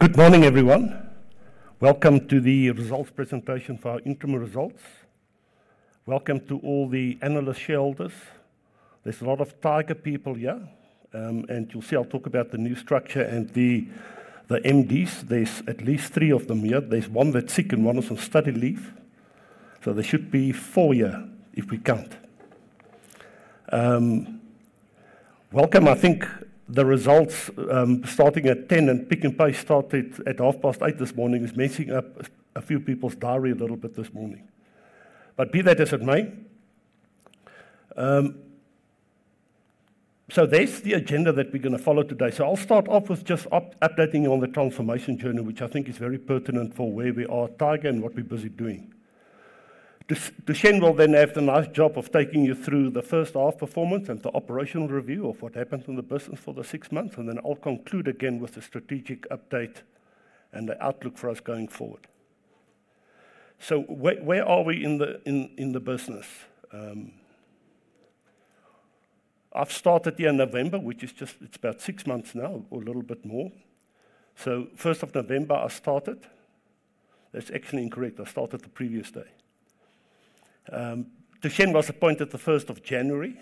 Good morning, everyone. Welcome to the results presentation for our interim results. Welcome to all the analyst shareholders. There's a lot of Tiger people here, and you'll see, I'll talk about the new structure and the MDs. There's at least three of them here. There's one that's sick, and one is on study leave, so there should be four here if we count. Welcome. I think the results starting at 10:00 A.M., and Pick n Pay started at 8:30 A.M. this morning is messing up a few people's diary a little bit this morning. But be that as it may, so there's the agenda that we're gonna follow today. So I'll start off with just updating you on the transformation journey, which I think is very pertinent for where we are at Tiger and what we're busy doing. Thushen will then have the nice job of taking you through the first half performance and the operational review of what happened in the business for the six months, and then I'll conclude again with the strategic update and the outlook for us going forward. So where are we in the business? I've started here in November, which is just it's about six months now or a little bit more. So 1st of November, I started. That's actually incorrect. I started the previous day. Thushen was appointed the 1st of January,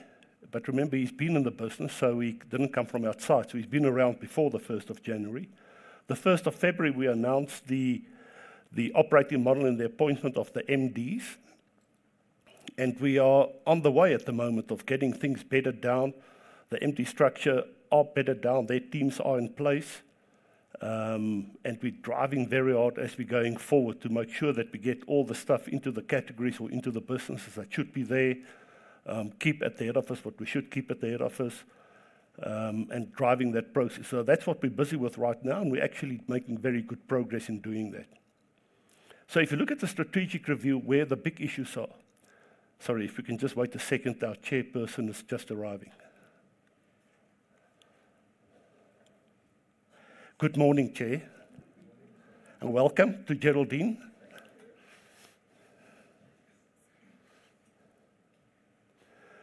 but remember, he's been in the business, so he didn't come from outside. So he's been around before the 1st of January. The 1st of February, we announced the operating model and the appointment of the MDs, and we are on the way at the moment of getting things bedded down. The MD structure are bedded down. Their teams are in place, and we're driving very hard as we're going forward to make sure that we get all the stuff into the categories or into the businesses that should be there, keep at the head office what we should keep at the head office, and driving that process. So that's what we're busy with right now, and we're actually making very good progress in doing that. So if you look at the strategic review, where the big issues are... Sorry, if we can just wait a second, our chairperson is just arriving. Good morning, Chair. Good morning. Welcome to Geraldine.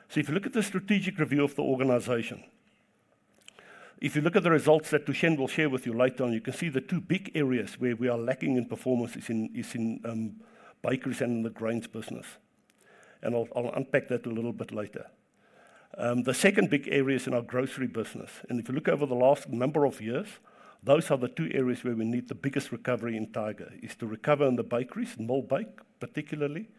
So if you look at the strategic review of the organization, if you look at the results that Thushen will share with you later on, you can see the two big areas where we are lacking in performance is in bakeries and in the grains business, and I'll unpack that a little bit later. The second big area is in our grocery business, and if you look over the last number of years, those are the two areas where we need the biggest recovery in Tiger Brands, is to recover in the bakeries, Albany, particularly,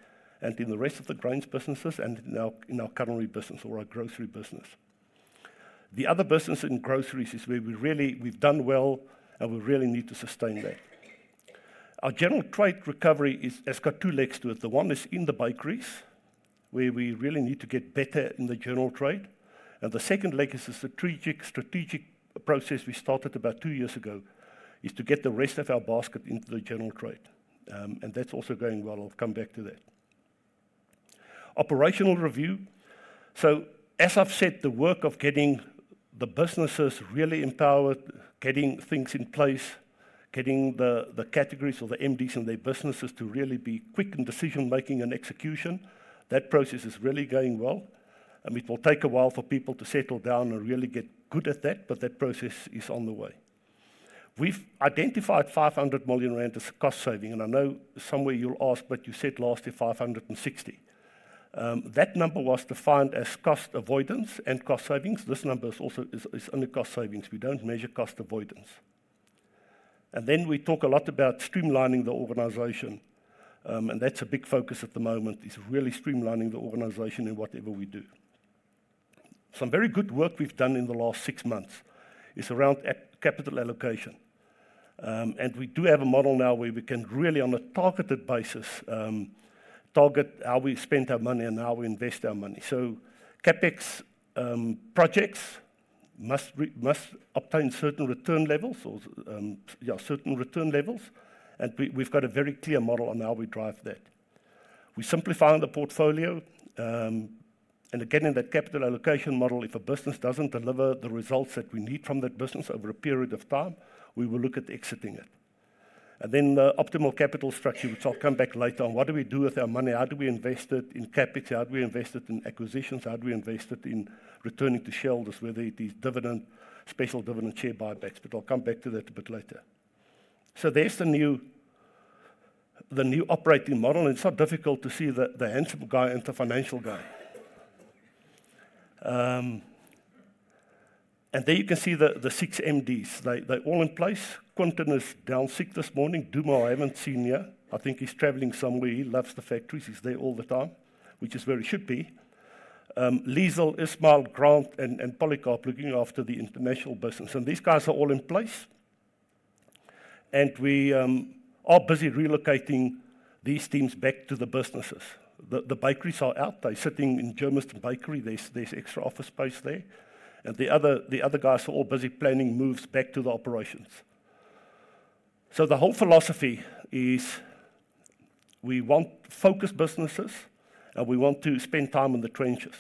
and in the rest of the grains businesses and in our culinary business or our grocery business. The other business in groceries is where we really we've done well, and we really need to sustain that. Our general trade recovery is, has got two legs to it. The one is in the bakeries, where we really need to get better in the general trade, and the second leg is the strategic, strategic process we started about two years ago, is to get the rest of our basket into the general trade. And that's also going well. I'll come back to that. Operational review. So as I've said, the work of getting the businesses really empowered, getting things in place, getting the categories or the MDs and their businesses to really be quick in decision-making and execution, that process is really going well, and it will take a while for people to settle down and really get good at that, but that process is on the way. We've identified 500 million rand as a cost saving, and I know somewhere you'll ask: "But you said last year, 560 million?" That number was defined as cost avoidance and cost savings. This number is also only cost savings. We don't measure cost avoidance. And then we talk a lot about streamlining the organization, and that's a big focus at the moment, is really streamlining the organization in whatever we do. Some very good work we've done in the last six months is around capital allocation, and we do have a model now where we can really, on a targeted basis, target how we spend our money and how we invest our money. So CapEx projects must obtain certain return levels or, yeah, certain return levels, and we've got a very clear model on how we drive that. We simplified the portfolio, and again, in that capital allocation model, if a business doesn't deliver the results that we need from that business over a period of time, we will look at exiting it. And then the optimal capital structure, which I'll come back later on, what do we do with our money? How do we invest it in capital? How do we invest it in acquisitions? How do we invest it in returning to shareholders, whether it is dividend, special dividend, share buybacks? But I'll come back to that a bit later. So there's the new operating model, and it's not difficult to see the handsome guy and the financial guy. And there you can see the six MDs. They're all in place. Quinton is down sick this morning. Dumo, I haven't seen here. I think he's traveling somewhere. He loves the factories. He's there all the time, which is where he should be. Liezel, Ismail, Grant, and Polycarp looking after the international business, and these guys are all in place. We are busy relocating these teams back to the businesses. The bakeries are out. They're sitting in Germiston Bakery. There's extra office space there, and the other guys are all busy planning moves back to the operations. So the whole philosophy is we want focused businesses, and we want to spend time in the trenches.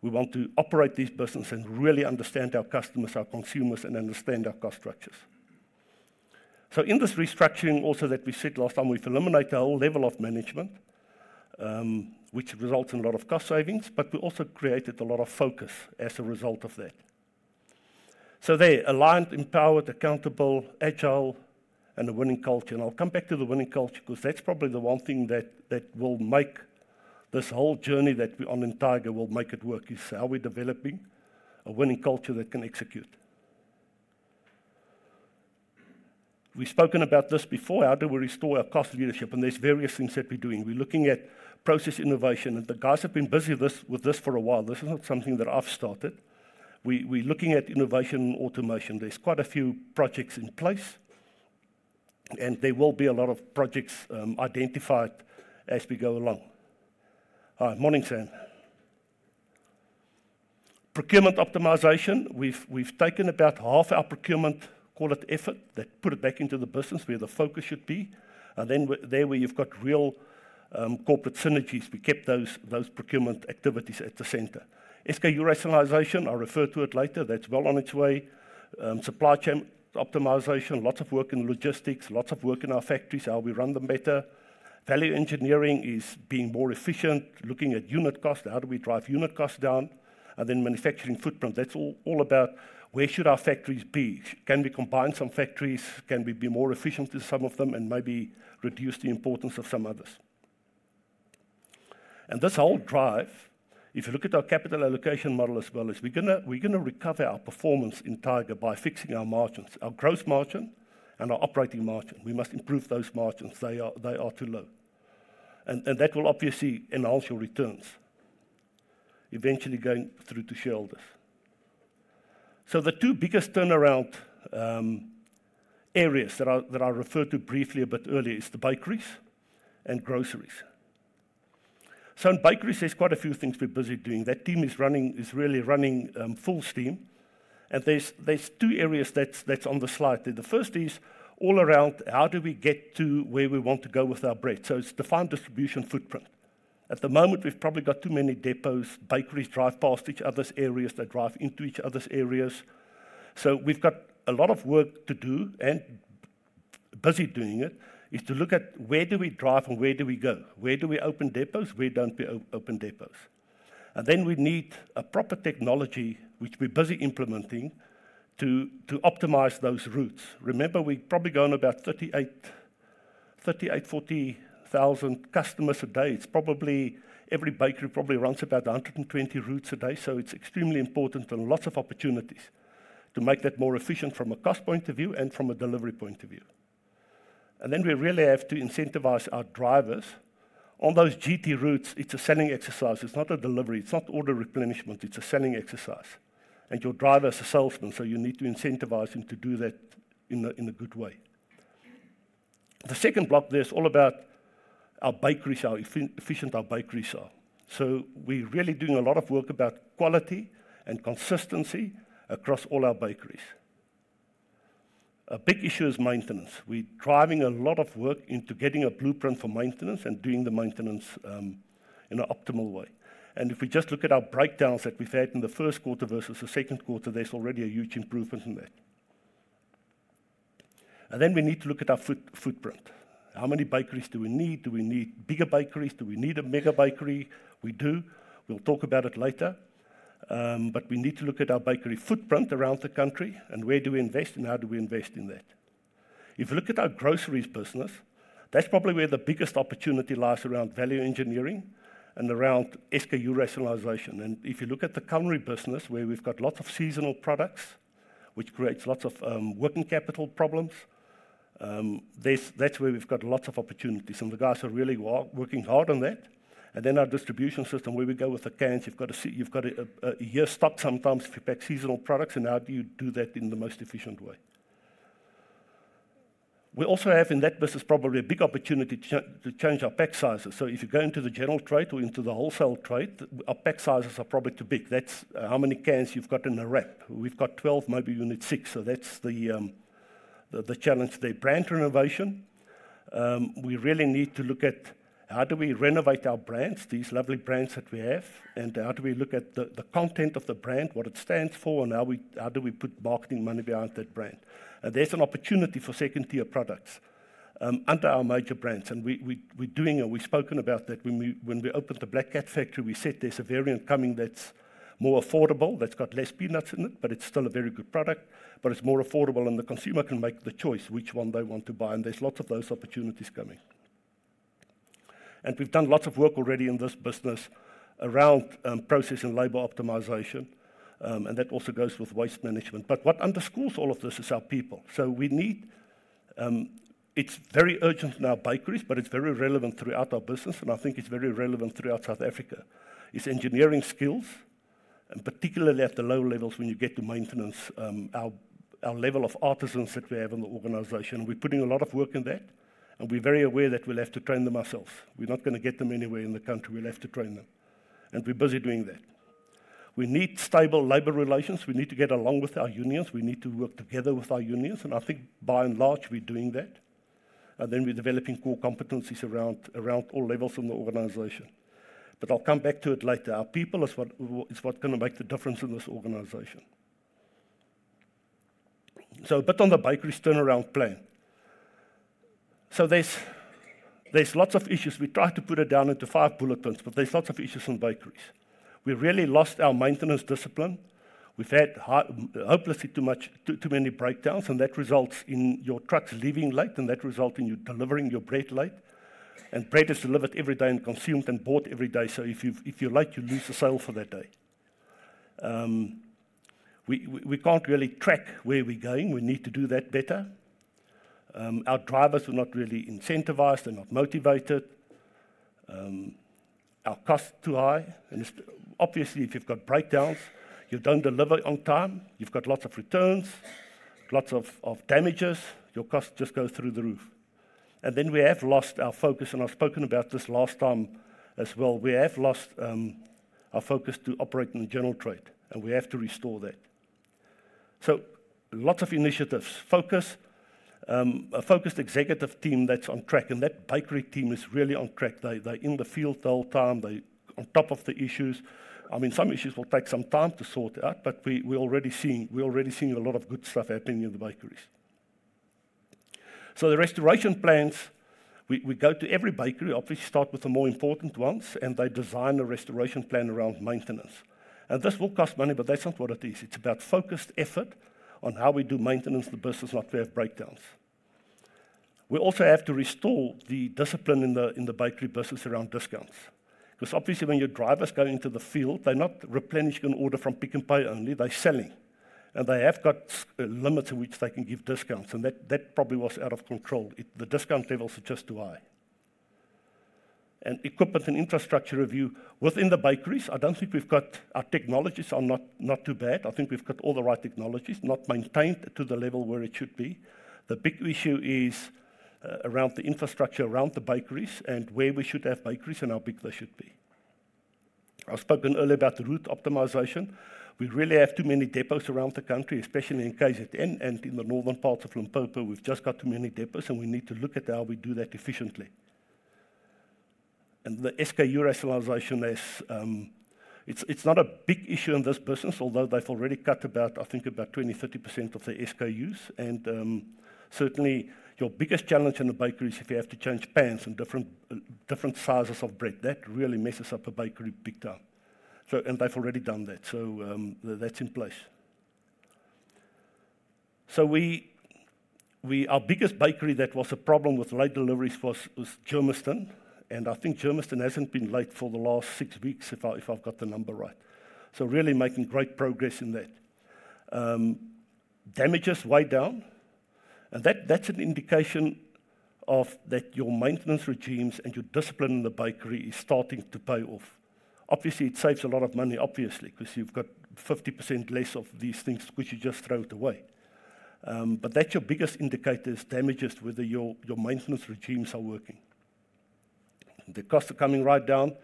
We want to operate these businesses and really understand our customers, our consumers, and understand our cost structures. So in this restructuring also that we said last time, we've eliminated a whole level of management, which results in a lot of cost savings, but we also created a lot of focus as a result of that. So there, aligned, empowered, accountable, agile, and a winning culture. And I'll come back to the winning culture, 'cause that's probably the one thing that will make this whole journey that we on in Tiger will make it work, is how we're developing a winning culture that can execute. We've spoken about this before, how do we restore our cost leadership? And there's various things that we're doing. We're looking at process innovation, and the guys have been busy with this for a while. This is not something that I've started. We're looking at innovation and automation. There's quite a few projects in place, and there will be a lot of projects identified as we go along. Hi, morning, Sam. Procurement optimization, we've taken about half our procurement, call it effort, that put it back into the business where the focus should be, and then we're there where you've got real corporate synergies. We kept those procurement activities at the center. SKU rationalization, I'll refer to it later, that's well on its way. Supply chain optimization, lots of work in logistics, lots of work in our factories, how we run them better. Value engineering is being more efficient, looking at unit cost, how do we drive unit cost down? And then manufacturing footprint, that's all about where should our factories be? Can we combine some factories? Can we be more efficient with some of them and maybe reduce the importance of some others? And this whole drive, if you look at our capital allocation model as well, is we're gonna recover our performance in Tiger by fixing our margins, our gross margin and our operating margin. We must improve those margins. They are too low. And that will obviously enhance your returns, eventually going through to shareholders. So the two biggest turnaround areas that I referred to briefly a bit earlier is the bakeries and groceries. So in bakeries, there's quite a few things we're busy doing. That team is really running full steam, and there's two areas that's on the slide there. The first is all around how do we get to where we want to go with our bread? So it's defined distribution footprint. At the moment, we've probably got too many depots, bakeries drive past each other's areas, they drive into each other's areas. So we've got a lot of work to do, and busy doing it, is to look at where do we drive and where do we go? Where do we open depots? Where don't we open depots? And then we need a proper technology, which we're busy implementing, to optimize those routes. Remember, we're probably going about 38-40,000 customers a day. It's probably every bakery probably runs about 120 routes a day, so it's extremely important and lots of opportunities to make that more efficient from a cost point of view and from a delivery point of view. And then we really have to incentivize our drivers. On those GT routes, it's a selling exercise. It's not a delivery, it's not order replenishment, it's a selling exercise, and your driver is a salesman, so you need to incentivize him to do that in a good way. The second block there is all about our bakeries, how efficient our bakeries are. So we're really doing a lot of work about quality and consistency across all our bakeries. A big issue is maintenance. We're driving a lot of work into getting a blueprint for maintenance and doing the maintenance in an optimal way. And if we just look at our breakdowns that we've had in the Q1 versus the Q2, there's already a huge improvement in that. And then we need to look at our footprint. How many bakeries do we need? Do we need bigger bakeries? Do we need a Mega Bakery? We do. We'll talk about it later. But we need to look at our bakery footprint around the country, and where do we invest and how do we invest in that? If you look at our groceries business, that's probably where the biggest opportunity lies around value engineering and around SKU rationalization. And if you look at the culinary business, where we've got lots of seasonal products, which creates lots of working capital problems, that's where we've got lots of opportunities, and the guys are really working hard on that. And then our distribution system, where we go with the cans, you've got a year stock sometimes if you pack seasonal products, and how do you do that in the most efficient way? We also have in that business probably a big opportunity to change our pack sizes. So if you go into the general trade or into the wholesale trade, our pack sizes are probably too big. That's how many cans you've got in a wrap. We've got 12, maybe you need six, so that's the challenge there. Brand renovation, we really need to look at how do we renovate our brands, these lovely brands that we have, and how do we look at the content of the brand, what it stands for, and how we- how do we put marketing money behind that brand? And there's an opportunity for second-tier products under our major brands, and we, we're doing and we've spoken about that. When we, when we opened the Black Cat factory, we said there's a variant coming that's more affordable, that's got less peanuts in it, but it's still a very good product, but it's more affordable, and the consumer can make the choice which one they want to buy, and there's lots of those opportunities coming. And we've done lots of work already in this business around process and labor optimization, and that also goes with waste management. But what underscores all of this is our people. So we need... it's very urgent in our bakeries, but it's very relevant throughout our business, and I think it's very relevant throughout South Africa, is engineering skills, and particularly at the lower levels when you get to maintenance, our, our level of artisans that we have in the organization. We're putting a lot of work in that, and we're very aware that we'll have to train them ourselves. We're not gonna get them anywhere in the country, we'll have to train them, and we're busy doing that. We need stable labor relations. We need to get along with our unions. We need to work together with our unions, and I think by and large, we're doing that. And then we're developing core competencies around all levels in the organization. But I'll come back to it later. Our people is what is gonna make the difference in this organization. So a bit on the bakeries turnaround plan. So there's lots of issues. We tried to put it down into five bullet points, but there's lots of issues in bakeries. We really lost our maintenance discipline. We've had hopelessly too many breakdowns, and that results in your trucks leaving late, and that result in you delivering your bread late. Bread is delivered every day and consumed and bought every day, so if you're late, you lose the sale for that day. We can't really track where we're going. We need to do that better. Our drivers are not really incentivized. They're not motivated. Our cost is too high, and it's obviously, if you've got breakdowns, you don't deliver on time, you've got lots of returns, lots of damages, your costs just go through the roof. And then we have lost our focus, and I've spoken about this last time as well. We have lost our focus to operate in the general trade, and we have to restore that. So lots of initiatives. Focus, a focused executive team that's on track, and that bakery team is really on track. They, they're in the field the whole time. They're on top of the issues. I mean, some issues will take some time to sort out, but we, we're already seeing, we're already seeing a lot of good stuff happening in the bakeries. So the restoration plans, we, we go to every bakery. Obviously, start with the more important ones, and they design a restoration plan around maintenance. And this will cost money, but that's not what it is. It's about focused effort on how we do maintenance in the business, not to have breakdowns. We also have to restore the discipline in the, in the bakery business around discounts. 'Cause obviously, when your drivers go into the field, they're not replenishing an order from Pick n Pay only, they're selling, and they have got limits to which they can give discounts, and that, that probably was out of control. The discount levels are just too high. And equipment and infrastructure review. Within the bakeries, I don't think we've got... Our technologies are not too bad. I think we've got all the right technologies, not maintained to the level where it should be. The big issue is around the infrastructure, around the bakeries and where we should have bakeries and how big they should be. I've spoken earlier about the route optimization. We really have too many depots around the country, especially in KZN and in the northern parts of Limpopo. We've just got too many depots, and we need to look at how we do that efficiently. The SKU rationalization is, it's not a big issue in this business, although they've already cut about, I think, about 20%-30% of the SKUs. Certainly, your biggest challenge in a bakery is if you have to change pans and different sizes of bread. That really messes up a bakery big time. So and they've already done that, so, that's in place. So we, our biggest bakery that was a problem with late deliveries was Germiston, and I think Germiston hasn't been late for the last six weeks, if I've got the number right. So really making great progress in that. Damages way down, and that, that's an indication of that your maintenance regimes and your discipline in the bakery is starting to pay off. Obviously, it saves a lot of money, obviously, 'cause you've got 50% less of these things which you just throw it away. But that's your biggest indicator, is damages, whether your, your maintenance regimes are working. The costs are coming right down.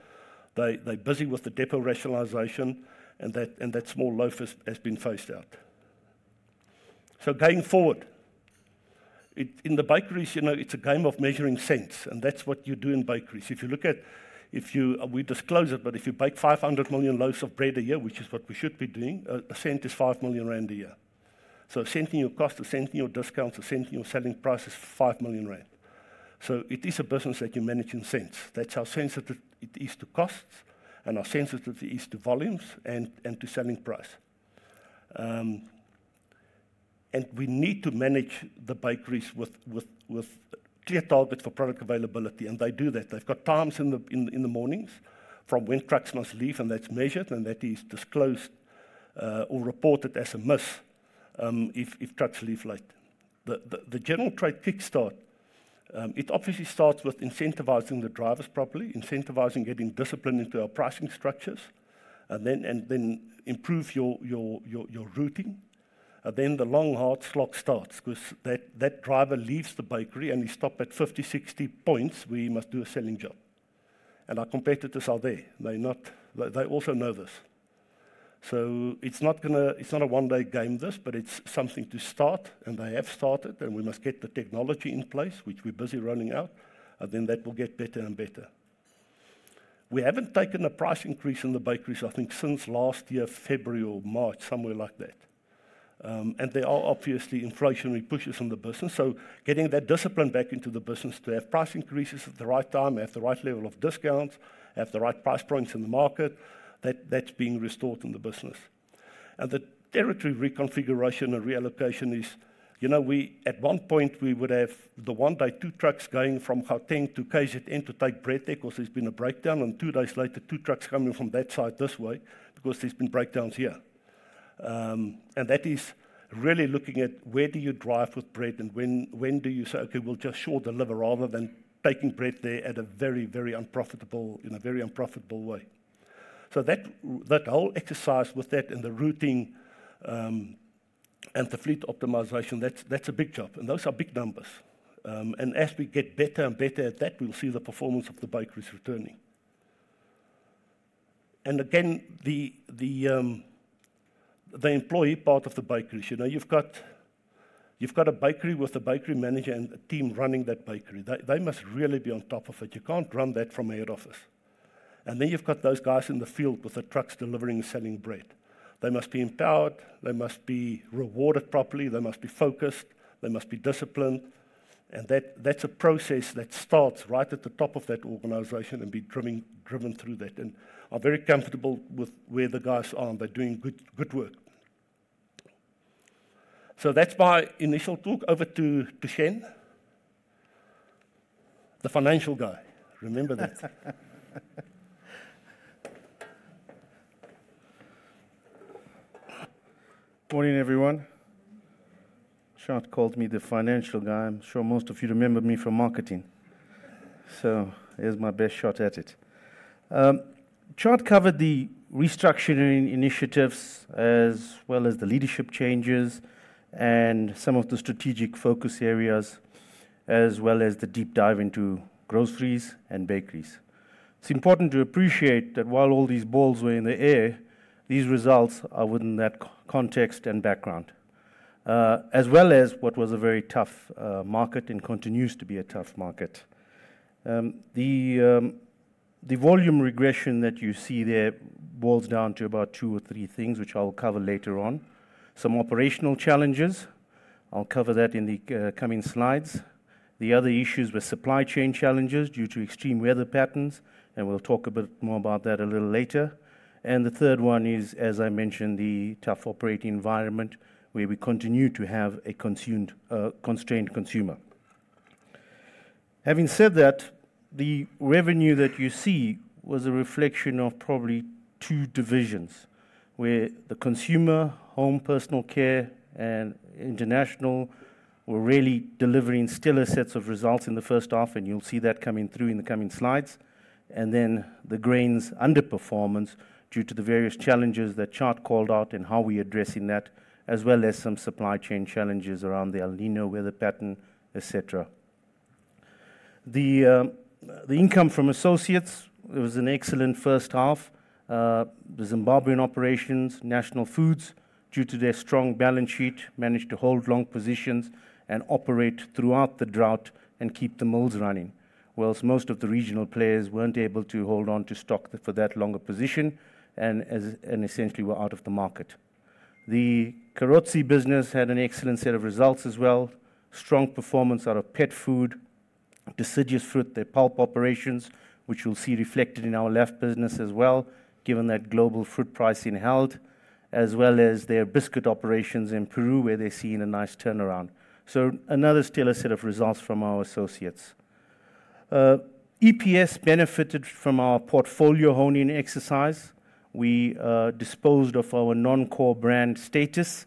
They, they're busy with the depot rationalization, and that, and that small loaf has, has been phased out. So going forward, in the bakeries, you know, it's a game of measuring cents, and that's what you do in bakeries. If you look at-- if you, we disclose it, but if you bake 500 million loaves of bread a year, which is what we should be doing, a cent is 5 million rand a year. So a cent in your cost, a cent in your discounts, a cent in your selling price is 5 million rand. So it is a business that you manage in cents. That's how sensitive it is to costs and how sensitive it is to volumes and to selling price. We need to manage the bakeries with clear targets for product availability, and they do that. They've got times in the mornings from when trucks must leave, and that's measured, and that is disclosed or reported as a miss if trucks leave late. The general trade kickstart obviously starts with incentivizing the drivers properly, incentivizing getting discipline into our pricing structures, and then improve your routing. And then the long hard slog starts, 'cause that, that driver leaves the bakery, and he stop at 50, 60 points where he must do a selling job. And our competitors are there. They're not... They, they also know this. So it's not gonna-- it's not a one-day game, this, but it's something to start, and they have started, and we must get the technology in place, which we're busy rolling out, and then that will get better and better. We haven't taken a price increase in the bakeries, I think, since last year, February or March, somewhere like that. And there are obviously inflationary pushes in the business, so getting that discipline back into the business to have price increases at the right time, have the right level of discounts, have the right price points in the market, that, that's being restored in the business. The territory reconfiguration and reallocation is... You know, we at one point, we would have 1 day 2 trucks going from Gauteng to KZN to take bread there 'cause there's been a breakdown, and 2 days later, 2 trucks coming from that side this way because there's been breakdowns here. And that is really looking at where do you drive with bread and when, when do you say, "Okay, we'll just short deliver," rather than taking bread there at a very, very unprofitable, in a very unprofitable way? So that, that whole exercise with that and the routing, and the fleet optimization, that's, that's a big job, and those are big numbers. And as we get better and better at that, we'll see the performance of the bakeries returning. Again, the employee part of the bakeries, you know, you've got, you've got a bakery with a bakery manager and a team running that bakery. They must really be on top of it. You can't run that from a head office. And then you've got those guys in the field with the trucks delivering and selling bread. They must be empowered, they must be rewarded properly, they must be focused, they must be disciplined, and that's a process that starts right at the top of that organization and be driven through that, and I'm very comfortable with where the guys are. They're doing good work. So that's my initial talk. Over to Thushen, the financial guy. Remember that. Morning, everyone. Tjaart called me the financial guy. I'm sure most of you remember me from marketing. So here's my best shot at it. Tjaart covered the restructuring initiatives, as well as the leadership changes and some of the strategic focus areas, as well as the deep dive into groceries and bakeries. It's important to appreciate that while all these balls were in the air, these results are within that context and background, as well as what was a very tough market and continues to be a tough market. The volume regression that you see there boils down to about two or three things, which I will cover later on. Some operational challenges, I'll cover that in the coming slides. The other issues were supply chain challenges due to extreme weather patterns, and we'll talk a bit more about that a little later. The third one is, as I mentioned, the tough operating environment, where we continue to have a constrained consumer. Having said that, the revenue that you see was a reflection of probably two divisions, where the consumer, home, personal care, and international were really delivering stellar sets of results in the first half, and you'll see that coming through in the coming slides. Then the grains' underperformance due to the various challenges that Tjaart called out and how we're addressing that, as well as some supply chain challenges around the El Niño weather pattern, et cetera. The income from associates, it was an excellent first half. The Zimbabwean operations, National Foods, due to their strong balance sheet, managed to hold long positions and operate throughout the drought and keep the mills running, whilst most of the regional players weren't able to hold on to stock for that longer position and as, and essentially were out of the market. The Carozzi business had an excellent set of results as well. Strong performance out of pet food, deciduous fruit, their pulp operations, which you'll see reflected in our L&AF business as well, given that global fruit pricing held, as well as their biscuit operations in Peru, where they're seeing a nice turnaround. So another stellar set of results from our associates. EPS benefited from our portfolio honing exercise. We disposed of our non-core brand Status,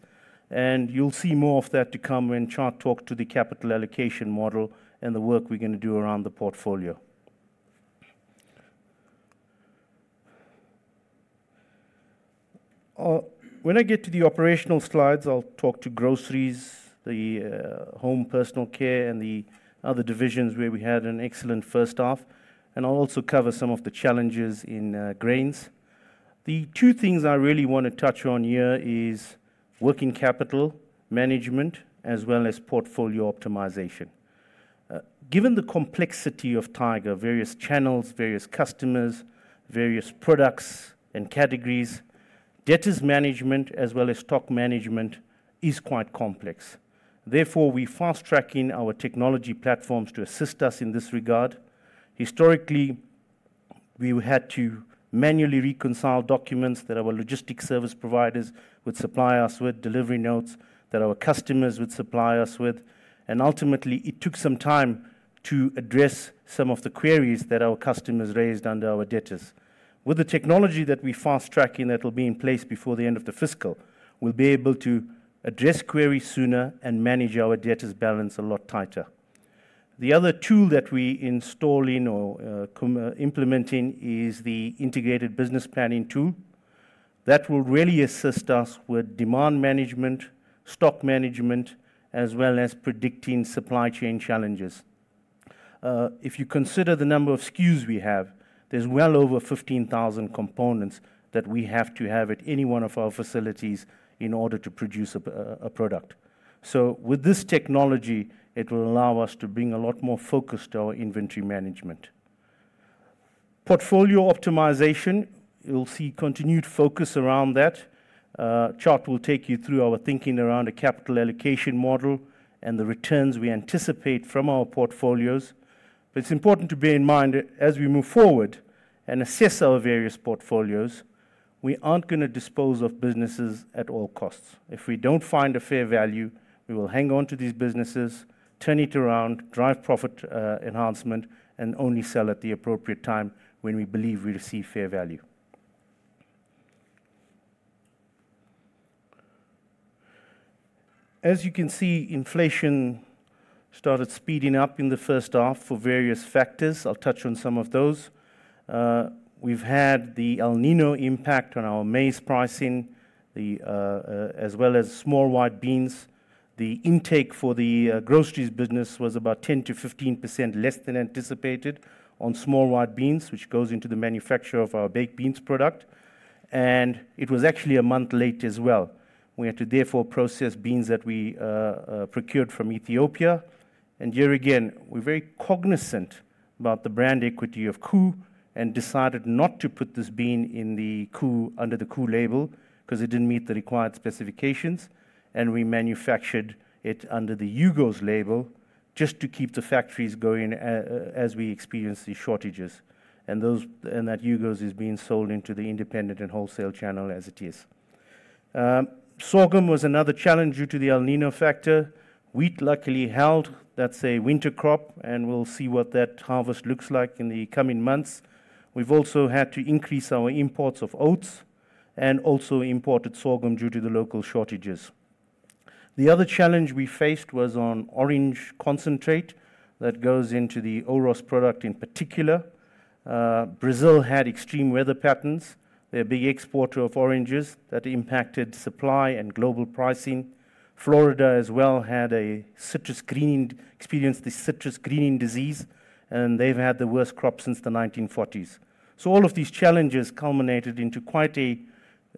and you'll see more of that to come when Tjaart talks to the capital allocation model and the work we're gonna do around the portfolio. When I get to the operational slides, I'll talk to groceries, the home personal care, and the other divisions where we had an excellent first half, and I'll also cover some of the challenges in grains. The two things I really wanna touch on here is working capital management as well as portfolio optimization. Given the complexity of Tiger, various channels, various customers, and various products and categories, debtors management as well as stock management is quite complex. Therefore, we fast-tracking our technology platforms to assist us in this regard. Historically, we would had to manually reconcile documents that our logistic service providers would supply us with, delivery notes that our customers would supply us with, and ultimately, it took some time to address some of the queries that our customers raised under our debtors. With the technology that we fast-tracking, that will be in place before the end of the fiscal, we'll be able to address queries sooner and manage our debtors' balance a lot tighter. The other tool that we installing or implementing is the integrated business planning tool. That will really assist us with demand management, stock management, as well as predicting supply chain challenges. If you consider the number of SKUs we have, there's well over 15,000 components that we have to have at any one of our facilities in order to produce a product. So with this technology, it will allow us to bring a lot more focus to our inventory management. Portfolio optimization, you'll see continued focus around that. Tjaart will take you through our thinking around a capital allocation model and the returns we anticipate from our portfolios. But it's important to bear in mind, as we move forward and assess our various portfolios, we aren't gonna dispose of businesses at all costs. If we don't find a fair value, we will hang on to these businesses, turn it around, drive profit enhancement, and only sell at the appropriate time when we believe we'll receive fair value. As you can see, inflation started speeding up in the first half for various factors. I'll touch on some of those. We've had the El Niño impact on our maize pricing, as well as small white beans. The intake for the groceries business was about 10%-15% less than anticipated on small white beans, which goes into the manufacture of our baked beans product, and it was actually a month late as well. We had to therefore process beans that we procured from Ethiopia.... And here again, we're very cognizant about the brand equity of Koo and decided not to put this bean in the Koo, under the Koo label, 'cause it didn't meet the required specifications, and we manufactured it under the Hugo's label just to keep the factories going as we experienced these shortages. And that Hugo's is being sold into the independent and wholesale channel as it is. Sorghum was another challenge due to the El Niño factor. Wheat luckily held. That's a winter crop, and we'll see what that harvest looks like in the coming months. We've also had to increase our imports of oats and also imported sorghum due to the local shortages. The other challenge we faced was on orange concentrate that goes into the Oros product in particular. Brazil had extreme weather patterns. They're a big exporter of oranges that impacted supply and global pricing. Florida as well had a citrus greening disease, and they've had the worst crop since the 1940s. So all of these challenges culminated into quite a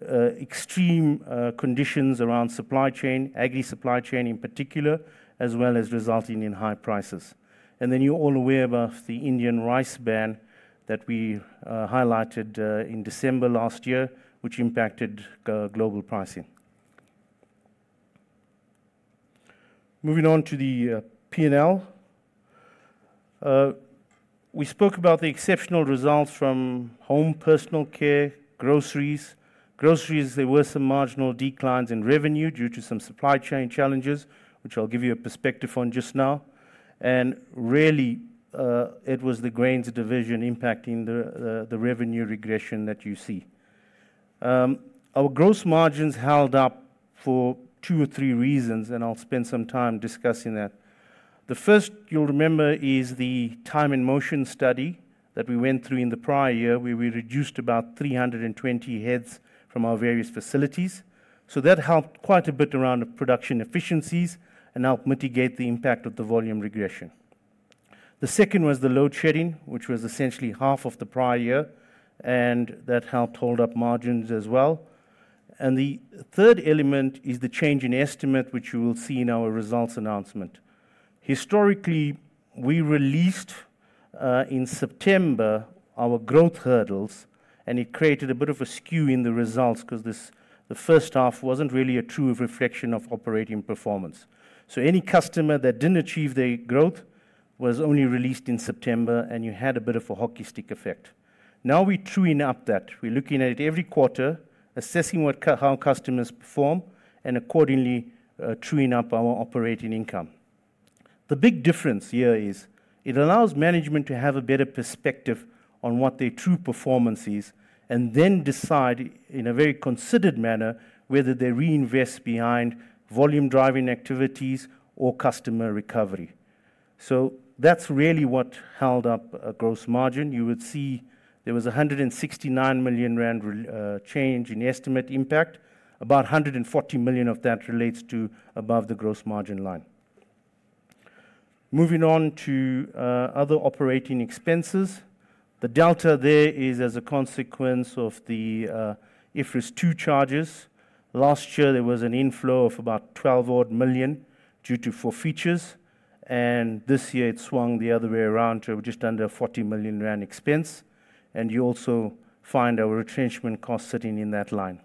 extreme conditions around supply chain, agri supply chain in particular, as well as resulting in high prices. And then you're all aware about the Indian rice ban that we highlighted in December last year, which impacted global pricing. Moving on to the P&L. We spoke about the exceptional results from home personal care, groceries. Groceries, there were some marginal declines in revenue due to some supply chain challenges, which I'll give you a perspective on just now. And really, it was the grains division impacting the revenue regression that you see. Our gross margins held up for two or three reasons, and I'll spend some time discussing that. The first you'll remember is the time and motion study that we went through in the prior year, where we reduced about 320 heads from our various facilities. So that helped quite a bit around the production efficiencies and helped mitigate the impact of the volume regression. The second was the load shedding, which was essentially half of the prior year, and that helped hold up margins as well. And the third element is the change in estimate, which you will see in our results announcement. Historically, we released in September our growth hurdles, and it created a bit of a skew in the results 'cause this the first half wasn't really a true reflection of operating performance. So any customer that didn't achieve their growth was only released in September, and you had a bit of a hockey stick effect. Now we're truing up that. We're looking at it every quarter, assessing how customers perform, and accordingly, truing up our operating income. The big difference here is it allows management to have a better perspective on what their true performance is, and then decide in a very considered manner whether they reinvest behind volume-driving activities or customer recovery. So that's really what held up a gross margin. You would see there was 169 million rand change in estimate impact. About a hundred and forty million of that relates to above the gross margin line. Moving on to other operating expenses. The delta there is as a consequence of the IFRS 2 charges. Last year, there was an inflow of about 12-odd million due to forfeitures, and this year it swung the other way around to just under a 40 million rand expense, and you also find our retrenchment cost sitting in that line.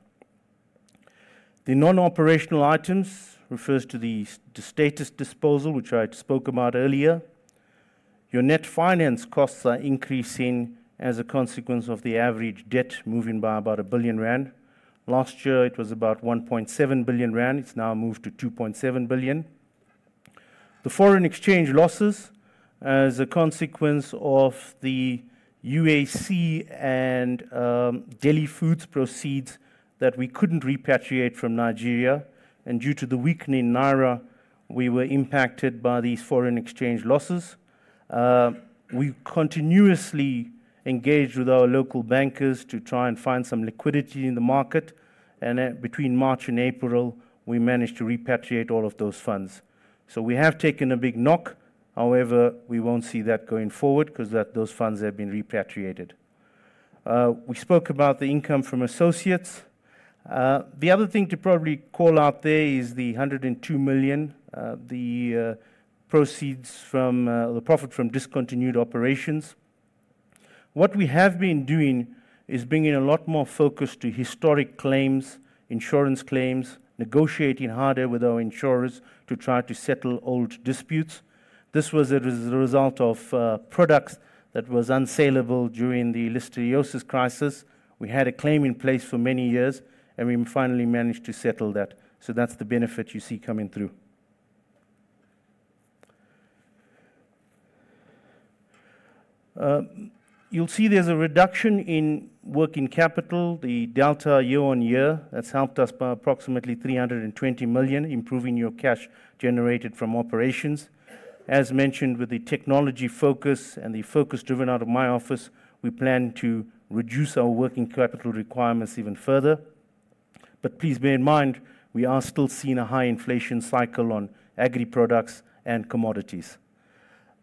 The non-operational items refers to the Status disposal, which I had spoke about earlier. Your net finance costs are increasing as a consequence of the average debt moving by about 1 billion rand. Last year, it was about 1.7 billion rand. It's now moved to 2.7 billion. The foreign exchange losses as a consequence of the UAC and Deli Foods proceeds that we couldn't repatriate from Nigeria, and due to the weakening naira, we were impacted by these foreign exchange losses. We continuously engaged with our local bankers to try and find some liquidity in the market, and between March and April, we managed to repatriate all of those funds. So we have taken a big knock; however, we won't see that going forward 'cause those funds have been repatriated. We spoke about the income from associates. The other thing to probably call out there is the 102 million proceeds from the profit from discontinued operations. What we have been doing is bringing a lot more focus to historic claims, insurance claims, negotiating harder with our insurers to try to settle old disputes. This was, as a result of, products that was unsaleable during the listeriosis crisis. We had a claim in place for many years, and we finally managed to settle that. So that's the benefit you see coming through. You'll see there's a reduction in working capital, the delta year-on-year. That's helped us by approximately 320 million, improving your cash generated from operations. As mentioned, with the technology focus and the focus driven out of my office, we plan to reduce our working capital requirements even further. But please bear in mind, we are still seeing a high inflation cycle on agri products and commodities.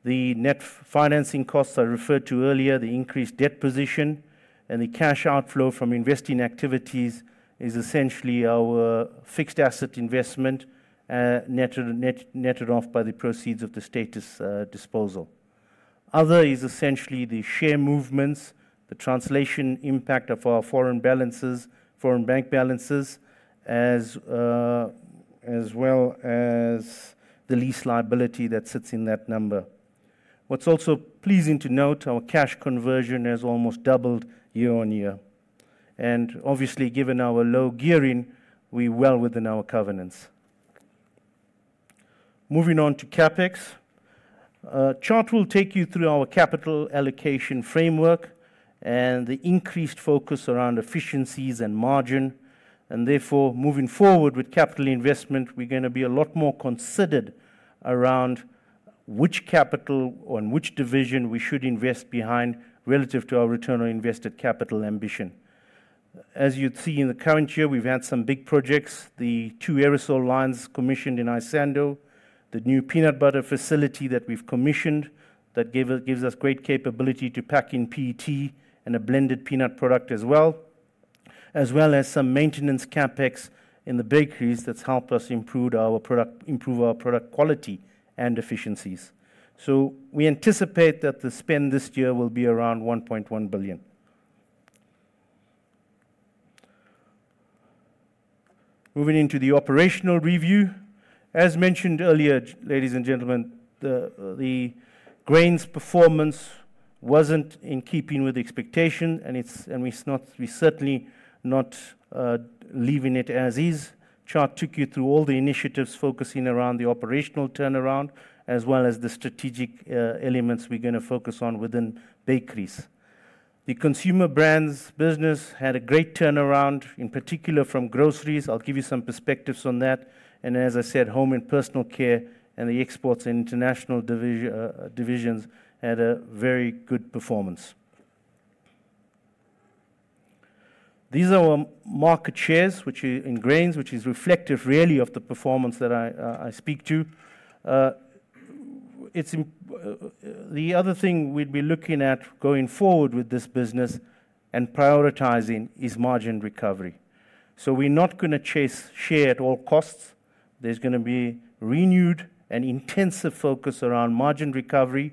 The net financing costs I referred to earlier, the increased debt position, and the cash outflow from investing activities is essentially our fixed asset investment, netted off by the proceeds of the Status disposal. Other is essentially the share movements, the translation impact of our foreign balances, foreign bank balances, as, as well as the lease liability that sits in that number. What's also pleasing to note, our cash conversion has almost doubled year-on-year. And obviously, given our low gearing, we're well within our covenants. Moving on to CapEx. Tjaart will take you through our capital allocation framework and the increased focus around efficiencies and margin, and therefore, moving forward with capital investment, we're gonna be a lot more considered around which capital or in which division we should invest behind relative to our return on invested capital ambition. As you'd see in the current year, we've had some big projects: the two aerosol lines commissioned in Isando, the new peanut butter facility that we've commissioned, that give us, gives us great capability to pack in PET and a blended peanut product as well, as well as some maintenance CapEx in the bakeries that's helped us improve our product quality and efficiencies. So we anticipate that the spend this year will be around 1.1 billion. Moving into the operational review. As mentioned earlier, ladies and gentlemen, the grains performance wasn't in keeping with expectation, and it's and we're not, we're certainly not leaving it as is. Tjaart took you through all the initiatives focusing around the operational turnaround, as well as the strategic elements we're gonna focus on within bakeries. The consumer brands business had a great turnaround, in particular from groceries. I'll give you some perspectives on that. As I said, home and personal care, and the exports and international divisions had a very good performance. These are our market shares, which are in grains, which is reflective really of the performance that I, I speak to. It's the other thing we'd be looking at going forward with this business and prioritizing is margin recovery. So we're not gonna chase share at all costs. There's gonna be renewed and intensive focus around margin recovery,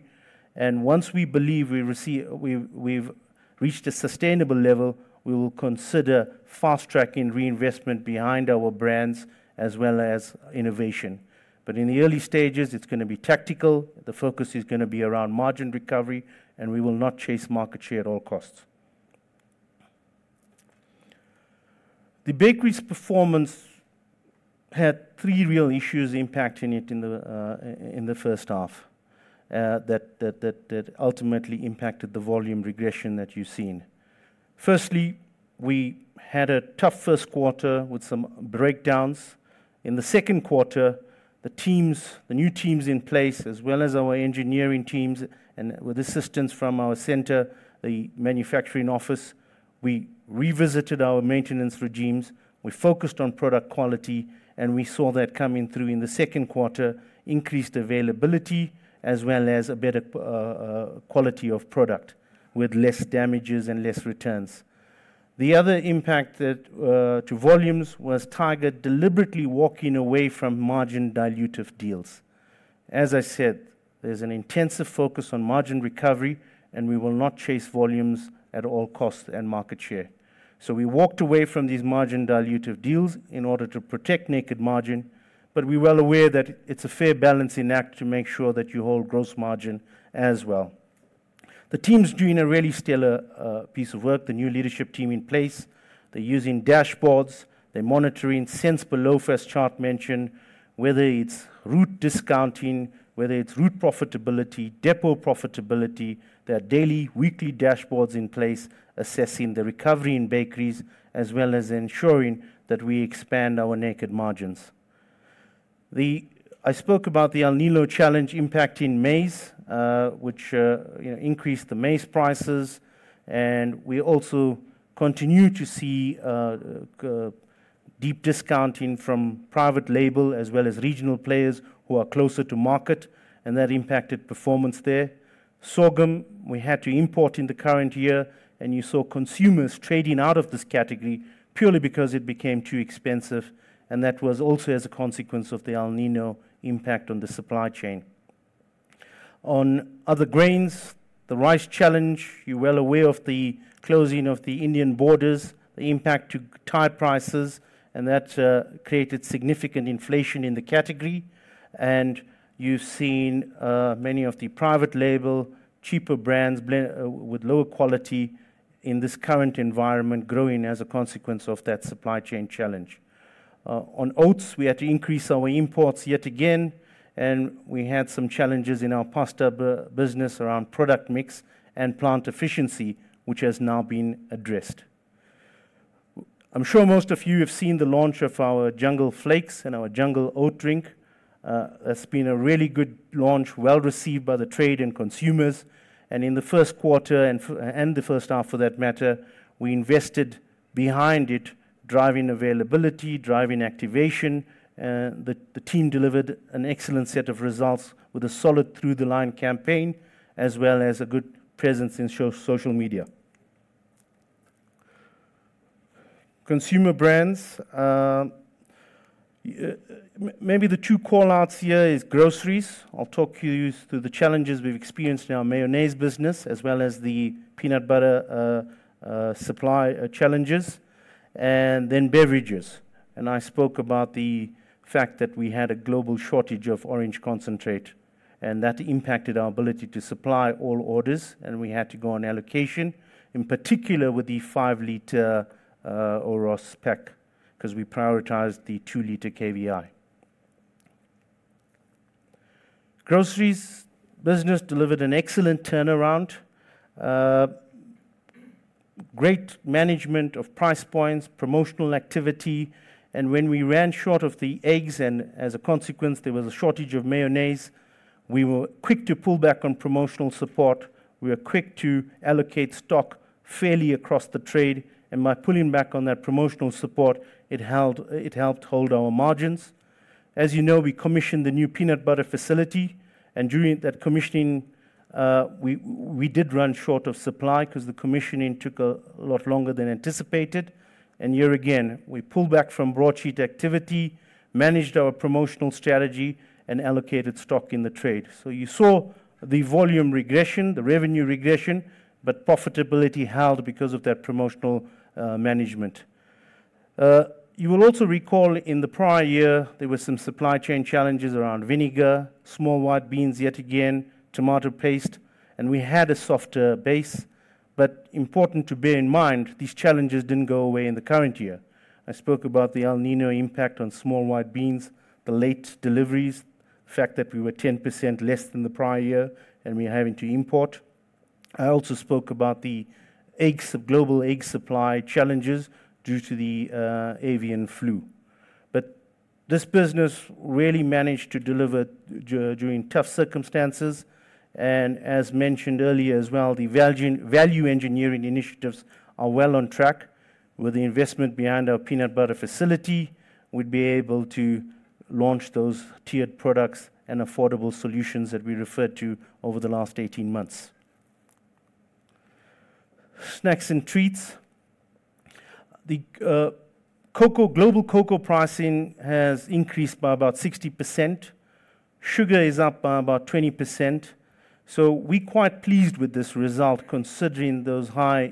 and once we believe we've, we've reached a sustainable level, we will consider fast-tracking reinvestment behind our brands as well as innovation. But in the early stages, it's gonna be tactical, the focus is gonna be around margin recovery, and we will not chase market share at all costs. The bakeries performance had three real issues impacting it in the first half that ultimately impacted the volume regression that you've seen. Firstly, we had a tough Q1 with some breakdowns. In the Q2, the teams, the new teams in place, as well as our engineering teams, and with assistance from our centre, the manufacturing office, we revisited our maintenance regimes, we focused on product quality, and we saw that coming through in the Q2, increased availability, as well as a better quality of product, with less damages and less returns. The other impact that to volumes was target deliberately walking away from margin dilutive deals. As I said, there's an intensive focus on margin recovery, and we will not chase volumes at all costs and market share. So we walked away from these margin dilutive deals in order to protect naked margin, but we're well aware that it's a fair balancing act to make sure that you hold gross margin as well. The team's doing a really stellar piece of work, the new leadership team in place. They're using dashboards, they're monitoring cents per loaf as Tjaart mentioned, whether it's route discounting, whether it's route profitability, depot profitability. There are daily, weekly dashboards in place assessing the recovery in bakeries, as well as ensuring that we expand our naked margins. I spoke about the El Niño challenge impact in maize, which, you know, increased the maize prices, and we also continue to see deep discounting from private label as well as regional players who are closer to market, and that impacted performance there. Sorghum, we had to import in the current year, and you saw consumers trading out of this category purely because it became too expensive, and that was also as a consequence of the El Niño impact on the supply chain. On other grains, the rice challenge, you're well aware of the closing of the Indian borders, the impact to Thai prices, and that created significant inflation in the category. You've seen many of the private label, cheaper brands blending with lower quality in this current environment growing as a consequence of that supply chain challenge. On oats, we had to increase our imports yet again, and we had some challenges in our pasta business around product mix and plant efficiency, which has now been addressed. I'm sure most of you have seen the launch of our Jungle Corn Flakes and our Jungle Oat Drink. It's been a really good launch, well-received by the trade and consumers, and in the Q1, and the first half, for that matter, we invested behind it, driving availability, driving activation, the team delivered an excellent set of results with a solid through-the-line campaign, as well as a good presence in social media. Consumer brands, maybe the two call-outs here is groceries. I'll talk you through the challenges we've experienced in our mayonnaise business, as well as the peanut butter supply challenges, and then beverages. I spoke about the fact that we had a global shortage of orange concentrate, and that impacted our ability to supply all orders, and we had to go on allocation, in particular with the 5-liter Oros pack, 'cause we prioritized the 2-liter KVI. Groceries business delivered an excellent turnaround. Great management of price points, promotional activity, and when we ran short of the eggs, and as a consequence, there was a shortage of mayonnaise, we were quick to pull back on promotional support. We were quick to allocate stock fairly across the trade, and by pulling back on that promotional support, it held, it helped hold our margins. As you know, we commissioned the new peanut butter facility, and during that commissioning, we did run short of supply 'cause the commissioning took a lot longer than anticipated. Here again, we pulled back from broad-based activity, managed our promotional strategy, and allocated stock in the trade. So you saw the volume regression, the revenue regression, but profitability held because of that promotional management. You will also recall in the prior year there were some supply chain challenges around vinegar, small white beans, yet again, tomato paste, and we had a softer base. But important to bear in mind, these challenges didn't go away in the current year. I spoke about the El Niño impact on small white beans, the late deliveries, the fact that we were 10% less than the prior year, and we're having to import. I also spoke about the eggs, global egg supply challenges due to the avian flu. But this business really managed to deliver during tough circumstances, and as mentioned earlier as well, the value engineering initiatives are well on track. With the investment behind our peanut butter facility, we'd be able to launch those tiered products and affordable solutions that we referred to over the last 18 months. Snacks and treats. The cocoa global cocoa pricing has increased by about 60%. Sugar is up by about 20%, so we're quite pleased with this result, considering those high,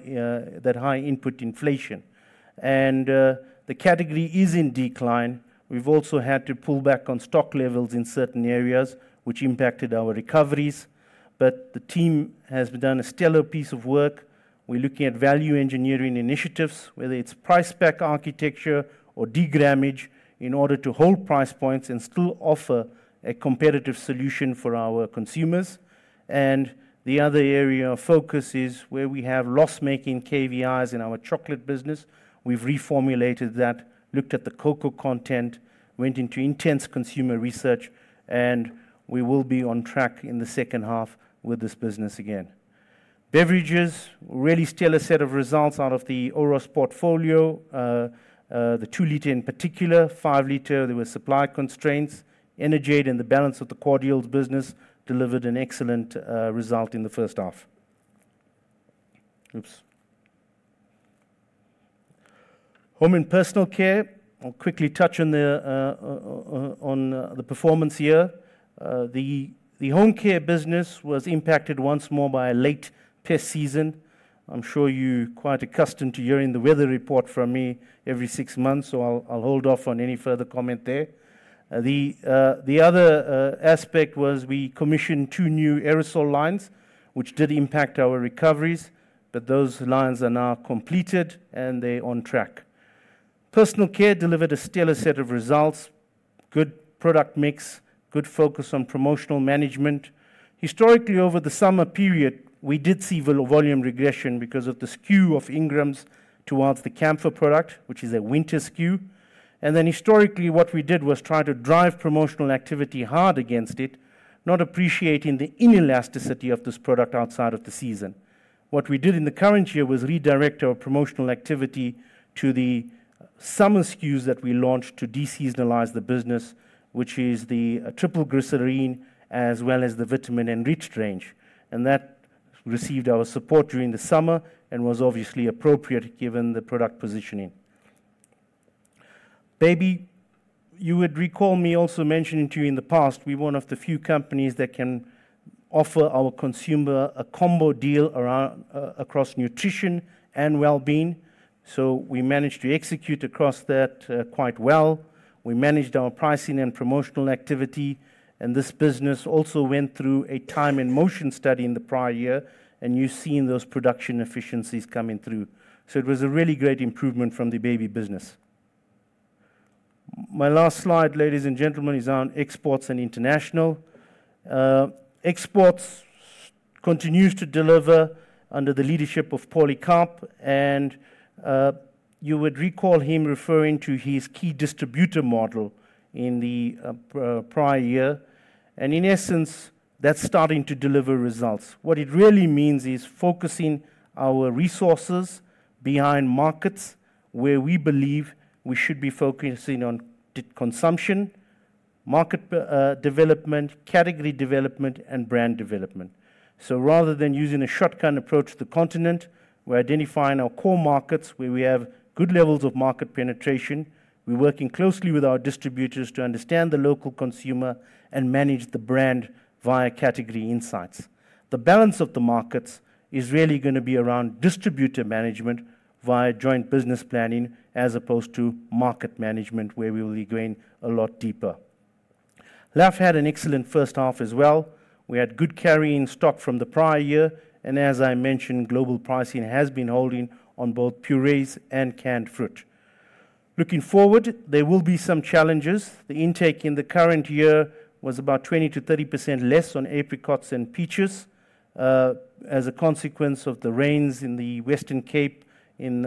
that high input inflation. And the category is in decline. We've also had to pull back on stock levels in certain areas, which impacted our recoveries, but the team has done a stellar piece of work. We're looking at value engineering initiatives, whether it's price pack architecture or de-grammage, in order to hold price points and still offer a competitive solution for our consumers. And the other area of focus is where we have loss-making KVIs in our chocolate business. We've reformulated that, looked at the cocoa content, went into intense consumer research, and we will be on track in the second half with this business again. Beverages, really stellar set of results out of the Oros portfolio. The 2-liter in particular, 5-liter, there were supply constraints. Energade and the balance of the cordial business delivered an excellent result in the first half. Home and personal care. I'll quickly touch on the performance here. The home care business was impacted once more by a late pest season. I'm sure you're quite accustomed to hearing the weather report from me every six months, so I'll hold off on any further comment there. The other aspect was we commissioned two new aerosol lines, which did impact our recoveries, but those lines are now completed, and they're on track. Personal care delivered a stellar set of results, good product mix, good focus on promotional management. Historically, over the summer period, we did see volume regression because of the SKU of Ingram's towards the Camphor product, which is a winter SKU. And then historically, what we did was try to drive promotional activity hard against it, not appreciating the inelasticity of this product outside of the season. What we did in the current year was redirect our promotional activity to the summer SKUs that we launched to de-seasonalize the business, which is the Triple Glycerine, as well as the vitamin-enriched range, and that received our support during the summer and was obviously appropriate given the product positioning. Baby, you would recall me also mentioning to you in the past, we're one of the few companies that can offer our consumer a combo deal around across nutrition and well-being, so we managed to execute across that quite well. We managed our pricing and promotional activity, and this business also went through a time and motion study in the prior year, and you've seen those production efficiencies coming through. So it was a really great improvement from the baby business. My last slide, ladies and gentlemen, is on exports and international. Exports continues to deliver under the leadership of Polycarp Igathe, and you would recall him referring to his key distributor model in the prior year. In essence, that's starting to deliver results. What it really means is focusing our resources behind markets where we believe we should be focusing on consumption, market development, category development, and brand development. So rather than using a shotgun approach to the continent, we're identifying our core markets where we have good levels of market penetration. We're working closely with our distributors to understand the local consumer and manage the brand via category insights. The balance of the markets is really gonna be around distributor management via joint business planning, as opposed to market management, where we will be going a lot deeper. L&AF had an excellent first half as well. We had good carry-in stock from the prior year, and as I mentioned, global pricing has been holding on both purees and canned fruit. Looking forward, there will be some challenges. The intake in the current year was about 20%-30% less on apricots and peaches, as a consequence of the rains in the Western Cape in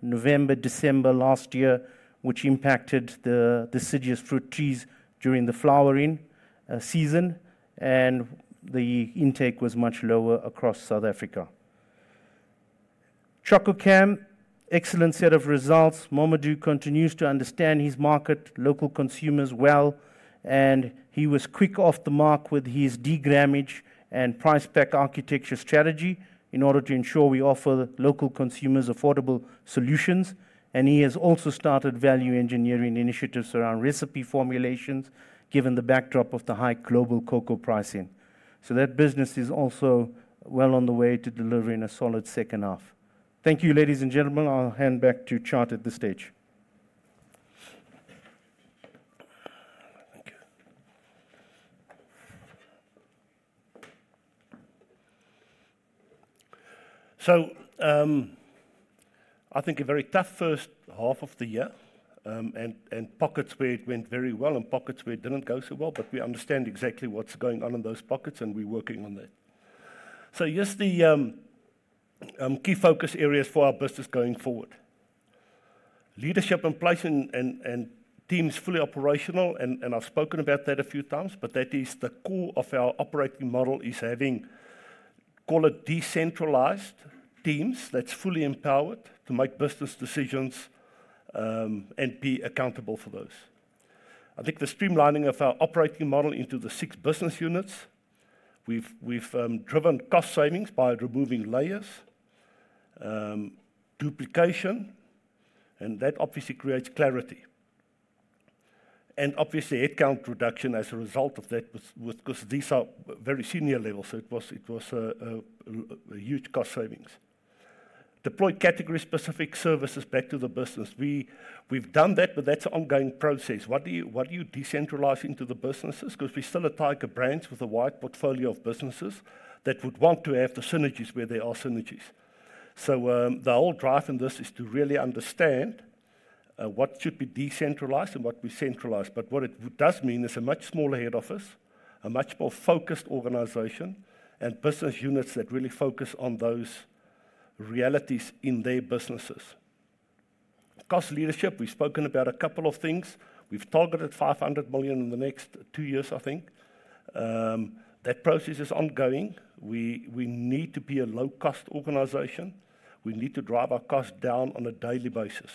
November, December last year, which impacted the deciduous fruit trees during the flowering season, and the intake was much lower across South Africa. Chococam, excellent set of results. Momodou continues to understand his market, local consumers well, and he was quick off the mark with his de-grammage and price pack architecture strategy in order to ensure we offer local consumers affordable solutions. And he has also started value engineering initiatives around recipe formulations, given the backdrop of the high global cocoa pricing. So that business is also well on the way to delivering a solid second half. Thank you, ladies and gentlemen. I'll hand back to Tjaart at this stage. Thank you. So, I think a very tough first half of the year, and pockets where it went very well and pockets where it didn't go so well, but we understand exactly what's going on in those pockets, and we're working on that. So here's the key focus areas for our business going forward. Leadership in place and teams fully operational, and I've spoken about that a few times, but that is the core of our operating model, is having, call it decentralized teams that's fully empowered to make business decisions, and be accountable for those. I think the streamlining of our operating model into the six business units, we've driven cost savings by removing layers, duplication, and that obviously creates clarity. And obviously, headcount reduction as a result of that was... 'Cause these are very senior levels, so it was a huge cost savings. Deploy category-specific services back to the business. We've done that, but that's an ongoing process. What do you decentralize into the businesses? 'Cause we're still a Tiger Brands with a wide portfolio of businesses that would want to have the synergies where there are synergies. So, the whole drive in this is to really understand what should be decentralized and what we centralize. But what it does mean is a much smaller head office, a much more focused organization, and business units that really focus on those realities in their businesses. Cost leadership, we've spoken about a couple of things. We've targeted 500 million in the next two years, I think. That process is ongoing. We need to be a low-cost organization. We need to drive our cost down on a daily basis.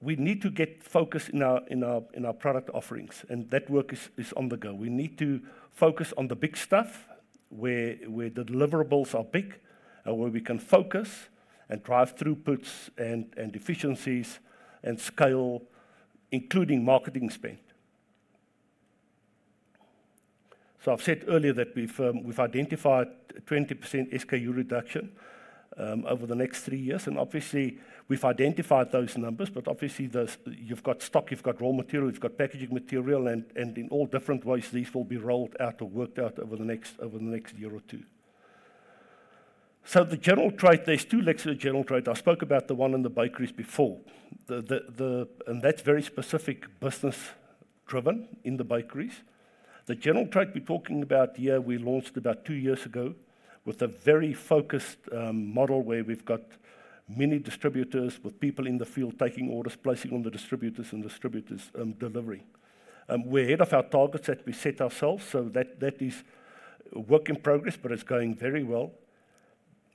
We need to get focused in our product offerings, and that work is on the go. We need to focus on the big stuff, where the deliverables are big and where we can focus and drive throughputs and efficiencies and scale, including marketing spend. So I've said earlier that we've identified a 20% SKU reduction over the next three years, and obviously, we've identified those numbers. But obviously, there's... You've got stock, you've got raw material, you've got packaging material, and in all different ways, these will be rolled out or worked out over the next year or two. So the general trade, there's two legs to the general trade. I spoke about the one in the bakeries before. And that's very specific business-driven in the bakeries. The general trade we're talking about here, we launched about two years ago, with a very focused model where we've got many distributors, with people in the field taking orders, placing on the distributors, and distributors delivering. We're ahead of our targets that we set ourselves, so that is a work in progress, but it's going very well.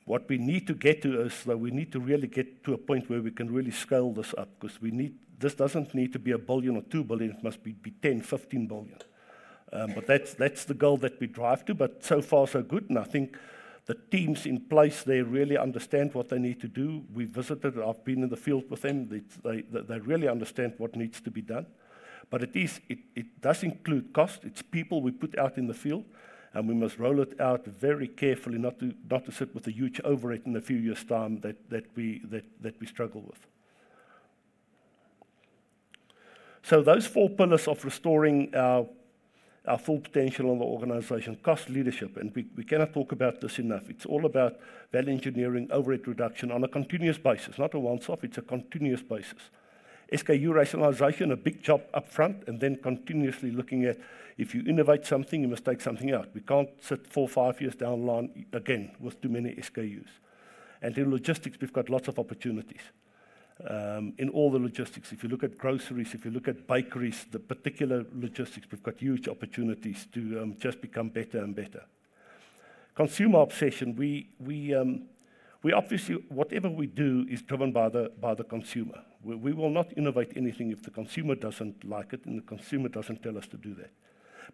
What we need to get to is, we need to really get to a point where we can really scale this up, 'cause we need—this doesn't need to be 1 billion or 2 billion, it must be 10-15 billion. But that's the goal that we drive to, but so far, so good, and I think the teams in place, they really understand what they need to do. We've visited. I've been in the field with them. They really understand what needs to be done. But it does include cost. It's people we put out in the field, and we must roll it out very carefully not to sit with a huge overhead in a few years' time that we struggle with. So those four pillars of restoring our full potential in the organization. Cost leadership, and we cannot talk about this enough. It's all about value engineering, overhead reduction on a continuous basis. Not a once-off, it's a continuous basis. SKU rationalization, a big job up front, and then continuously looking at if you innovate something, you must take something out. We can't sit four, five years down the line again with too many SKUs. And then logistics, we've got lots of opportunities.... In all the logistics. If you look at groceries, if you look at bakeries, the particular logistics, we've got huge opportunities to just become better and better. Consumer obsession, we, we, we obviously, whatever we do is driven by the, by the consumer. We, we will not innovate anything if the consumer doesn't like it and the consumer doesn't tell us to do that.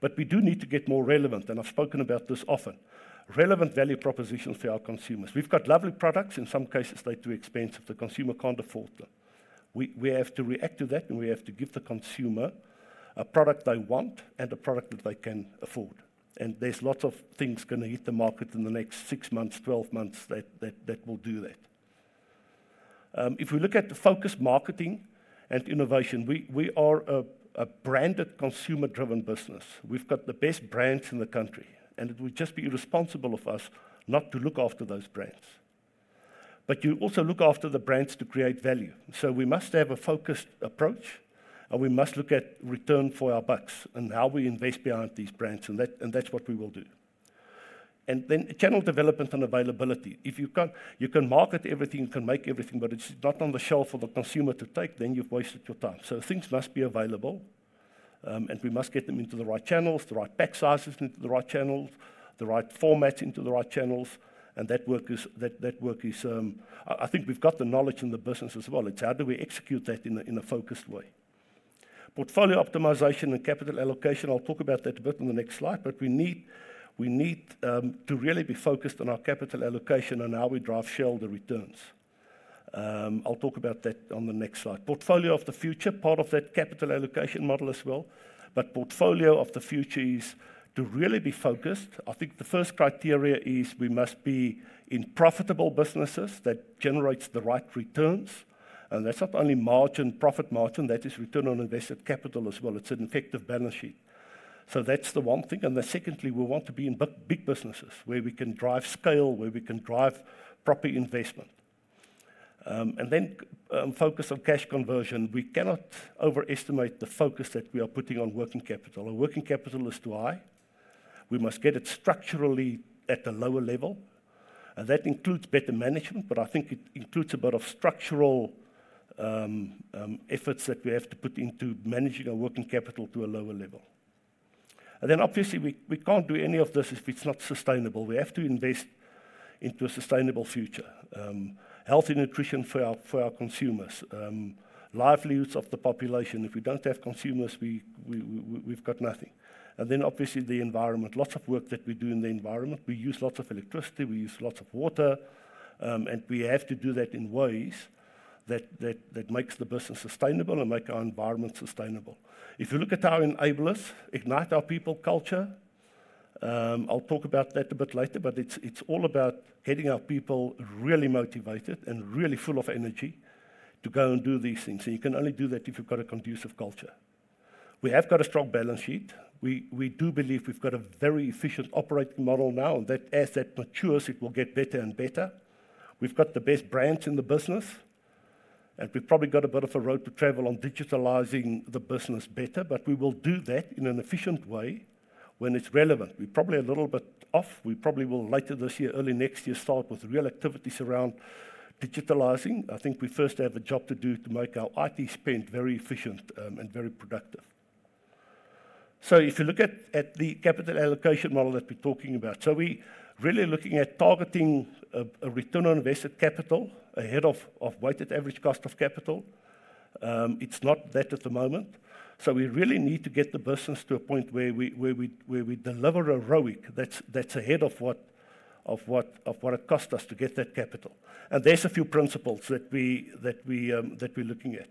But we do need to get more relevant, and I've spoken about this often. Relevant value propositions for our consumers. We've got lovely products. In some cases, they're too expensive, the consumer can't afford them. We, we have to react to that, and we have to give the consumer a product they want and a product that they can afford, and there's lots of things gonna hit the market in the next 6 months, 12 months, that will do that. If we look at the focused marketing and innovation, we are a branded, consumer-driven business. We've got the best brands in the country, and it would just be irresponsible of us not to look after those brands. But you also look after the brands to create value, so we must have a focused approach, and we must look at return for our bucks and how we invest behind these brands, and that's what we will do. And then channel development and availability. If you can't... You can market everything, you can make everything, but if it's not on the shelf for the consumer to take, then you've wasted your time. So things must be available, and we must get them into the right channels, the right pack sizes into the right channels, the right formats into the right channels, and that work is. I think we've got the knowledge in the business as well. It's how do we execute that in a focused way? Portfolio optimization and capital allocation, I'll talk about that a bit in the next slide, but we need to really be focused on our capital allocation and how we drive shareholder returns. I'll talk about that on the next slide. Portfolio of the future, part of that capital allocation model as well, but portfolio of the future is to really be focused. I think the first criteria is we must be in profitable businesses that generates the right returns, and that's not only margin, profit margin, that is return on invested capital as well. It's an effective balance sheet. So that's the one thing, and then secondly, we want to be in big, big businesses, where we can drive scale, where we can drive proper investment. And then focus on cash conversion. We cannot overestimate the focus that we are putting on working capital. Our working capital is too high. We must get it structurally at a lower level, and that includes better management, but I think it includes a bit of structural efforts that we have to put into managing our working capital to a lower level. And then obviously, we can't do any of this if it's not sustainable. We have to invest into a sustainable future. Health and nutrition for our consumers. Livelihoods of the population. If we don't have consumers, we've got nothing. And then obviously, the environment. Lots of work that we do in the environment. We use lots of electricity, we use lots of water, and we have to do that in ways that makes the business sustainable and make our environment sustainable. If you look at our enablers, ignite our people culture, I'll talk about that a bit later, but it's all about getting our people really motivated and really full of energy to go and do these things, and you can only do that if you've got a conducive culture. We have got a strong balance sheet. We do believe we've got a very efficient operating model now, and that as that matures, it will get better and better. We've got the best brands in the business, and we've probably got a bit of a road to travel on digitalizing the business better, but we will do that in an efficient way when it's relevant. We're probably a little bit off. We probably will, later this year, early next year, start with real activities around digitalizing. I think we first have a job to do to make our IT spend very efficient, and very productive. So if you look at the capital allocation model that we're talking about, we're really looking at targeting a Return on Invested Capital ahead of weighted average cost of capital. It's not that at the moment, so we really need to get the business to a point where we deliver a ROIC that's ahead of what it cost us to get that capital. And there's a few principles that we're looking at.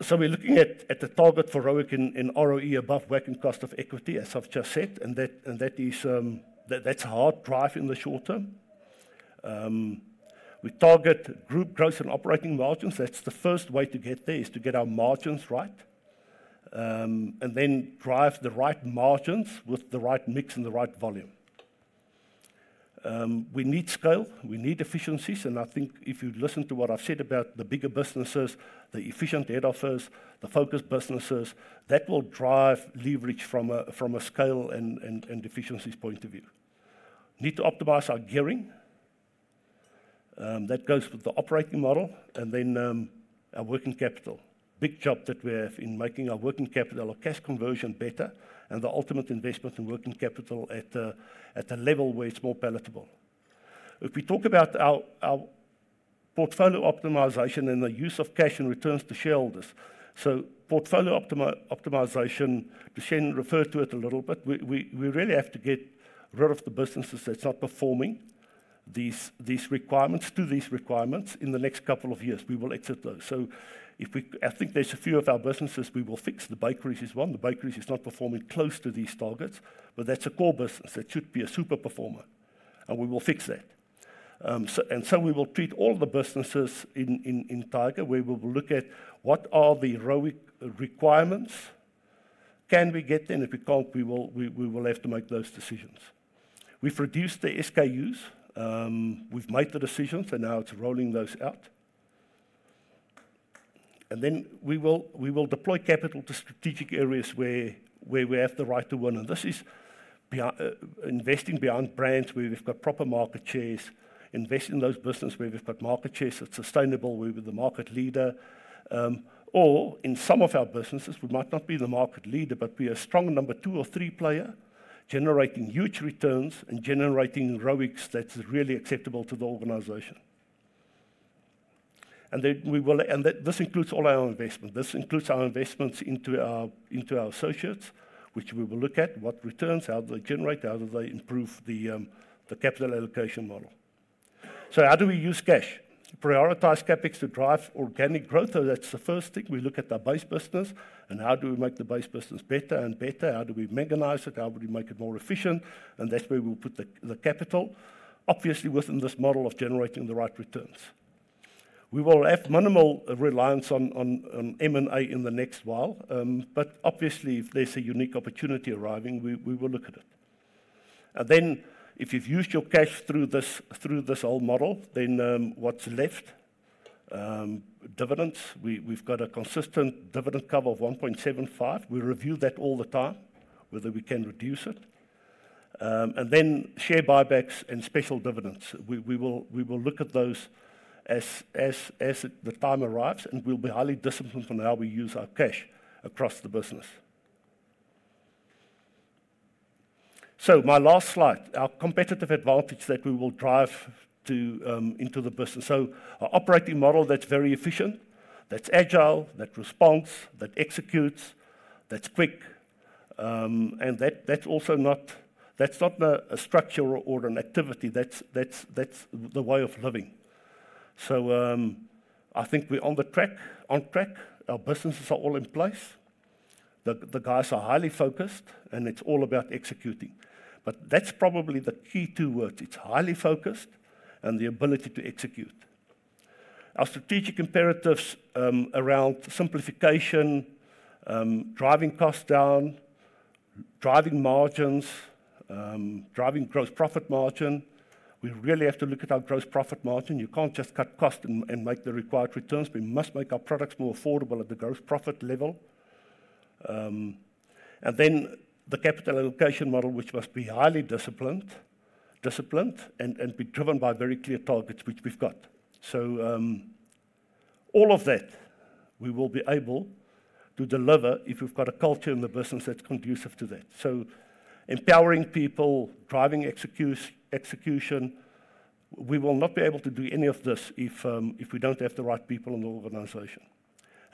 So we're looking at the target for ROIC and ROE above weighted cost of equity, as I've just said, and that is that's hardwired in the short term. We target group growth and operating margins. That's the first way to get there, is to get our margins right. And then drive the right margins with the right mix and the right volume. We need scale, we need efficiencies, and I think if you listen to what I've said about the bigger businesses, the efficient head office, the focused businesses, that will drive leverage from a scale and efficiencies point of view. Need to optimize our gearing, that goes with the operating model, and then, our working capital. Big job that we have in making our working capital, our cash conversion better, and the ultimate investment in working capital at a level where it's more palatable. If we talk about our portfolio optimization and the use of cash and returns to shareholders, so portfolio optimization, Thushen referred to it a little bit. We really have to get rid of the businesses that's not performing these requirements to these requirements. In the next couple of years, we will exit those. So, if we, I think there's a few of our businesses we will fix. The bakeries is one. The bakeries is not performing close to these targets, but that's a core business. That should be a super performer, and we will fix that. So, we will treat all the businesses in Tiger, where we will look at what are the ROIC requirements? Can we get there? And if we can't, we will have to make those decisions. We've reduced the SKUs. We've made the decisions, and now it's rolling those out. And then we will deploy capital to strategic areas where we have the right to win. And this is beyond investing in brands, where we've got proper market shares, invest in those business where we've got market shares that's sustainable, where we're the market leader. Or in some of our businesses, we might not be the market leader, but we're a strong number two or three player, generating huge returns and generating ROIC that's really acceptable to the organization. And then this includes all our investment. This includes our investments into our, into our associates, which we will look at what returns, how do they generate, how do they improve the, the capital allocation model? So how do we use cash? Prioritize CapEx to drive organic growth. So that's the first thing. We look at our base business, and how do we make the base business better and better? How do we mechanize it? How do we make it more efficient? And that's where we'll put the, the capital, obviously within this model of generating the right returns. We will have minimal reliance on M&A in the next while. But obviously, if there's a unique opportunity arriving, we will look at it. And then, if you've used your cash through this whole model, then what's left? Dividends. We've got a consistent dividend cover of 1.75. We review that all the time, whether we can reduce it. And then share buybacks and special dividends. We will look at those as the time arrives, and we'll be highly disciplined on how we use our cash across the business. So my last slide, our competitive advantage that we will drive into the business. So our operating model, that's very efficient, that's agile, that responds, that executes, that's quick, and that's also not... That's not a structure or an activity. That's the way of living. So, I think we're on the track, on track. Our businesses are all in place. The guys are highly focused, and it's all about executing. But that's probably the key two words. It's highly focused and the ability to execute. Our strategic imperatives around simplification, driving costs down, driving margins, driving gross profit margin. We really have to look at our gross profit margin. You can't just cut cost and make the required returns. We must make our products more affordable at the gross profit level. And then the capital allocation model, which must be highly disciplined, disciplined, and be driven by very clear targets, which we've got. So, all of that, we will be able to deliver if we've got a culture in the business that's conducive to that. So empowering people, driving execution. We will not be able to do any of this if we don't have the right people in the organization,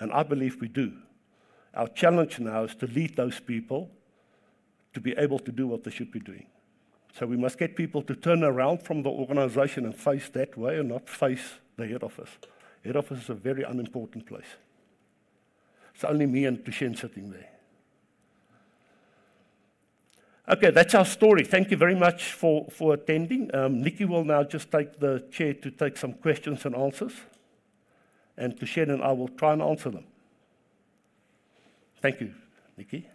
and I believe we do. Our challenge now is to lead those people to be able to do what they should be doing. So we must get people to turn around from the organization and face that way and not face the head office. Head office is a very unimportant place. It's only me and Thushen sitting there. Okay, that's our story. Thank you very much for attending. Nikki will now just take the chair to take some questions and answers, and Thushen and I will try and answer them. Thank you, Nikki.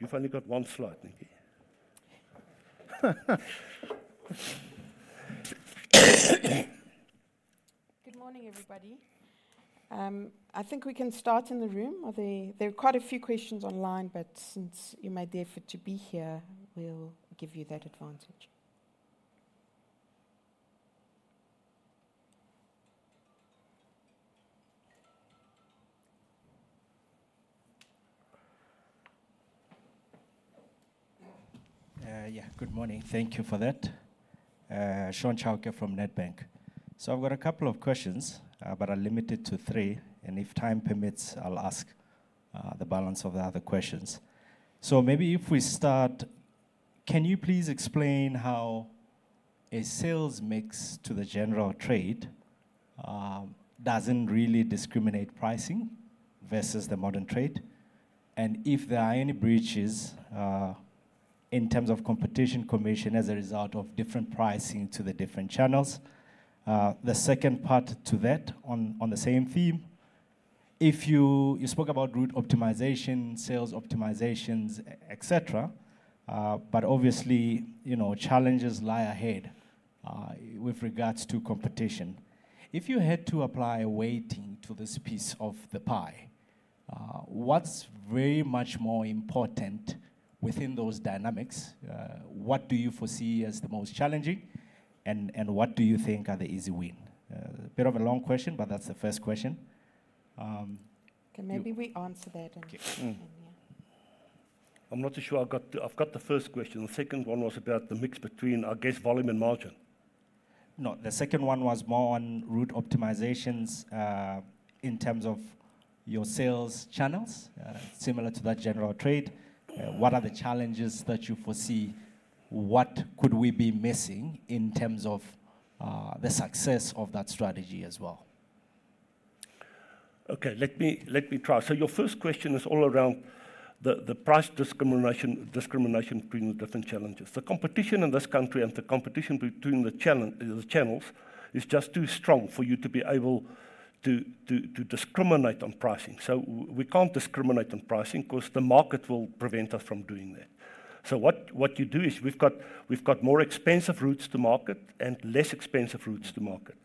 You've only got one slide, Nikki. Good morning, everybody. I think we can start in the room. There are quite a few questions online, but since you made the effort to be here, we'll give you that advantage. Yeah, good morning. Thank you for that. Sean Chauke from Nedbank. So I've got a couple of questions, but I'll limit it to three, and if time permits, I'll ask the balance of the other questions. So maybe if we start, can you please explain how a sales mix to the general trade doesn't really discriminate pricing versus the modern trade, and if there are any breaches in terms of Competition Commission as a result of different pricing to the different channels? The second part to that on, on the same theme: if you... You spoke about route optimization, sales optimizations, et cetera, but obviously, you know, challenges lie ahead with regards to competition. If you had to apply a weighting to this piece of the pie, what's very much more important within those dynamics, what do you foresee as the most challenging, and, and what do you think are the easy win? Bit of a long question, but that's the first question. Okay, maybe we answer that and- Hmm. Yeah. I'm not so sure I've got the first question. The second one was about the mix between, I guess, volume and margin. No, the second one was more on route optimizations, in terms of your sales channels, similar to that general trade. What are the challenges that you foresee? What could we be missing in terms of the success of that strategy as well?... Okay, let me try. So your first question is all around the price discrimination between the different channels. The competition in this country and the competition between the channels is just too strong for you to be able to discriminate on pricing. So we can't discriminate on pricing 'cause the market will prevent us from doing that. So what you do is we've got more expensive routes to market and less expensive routes to market.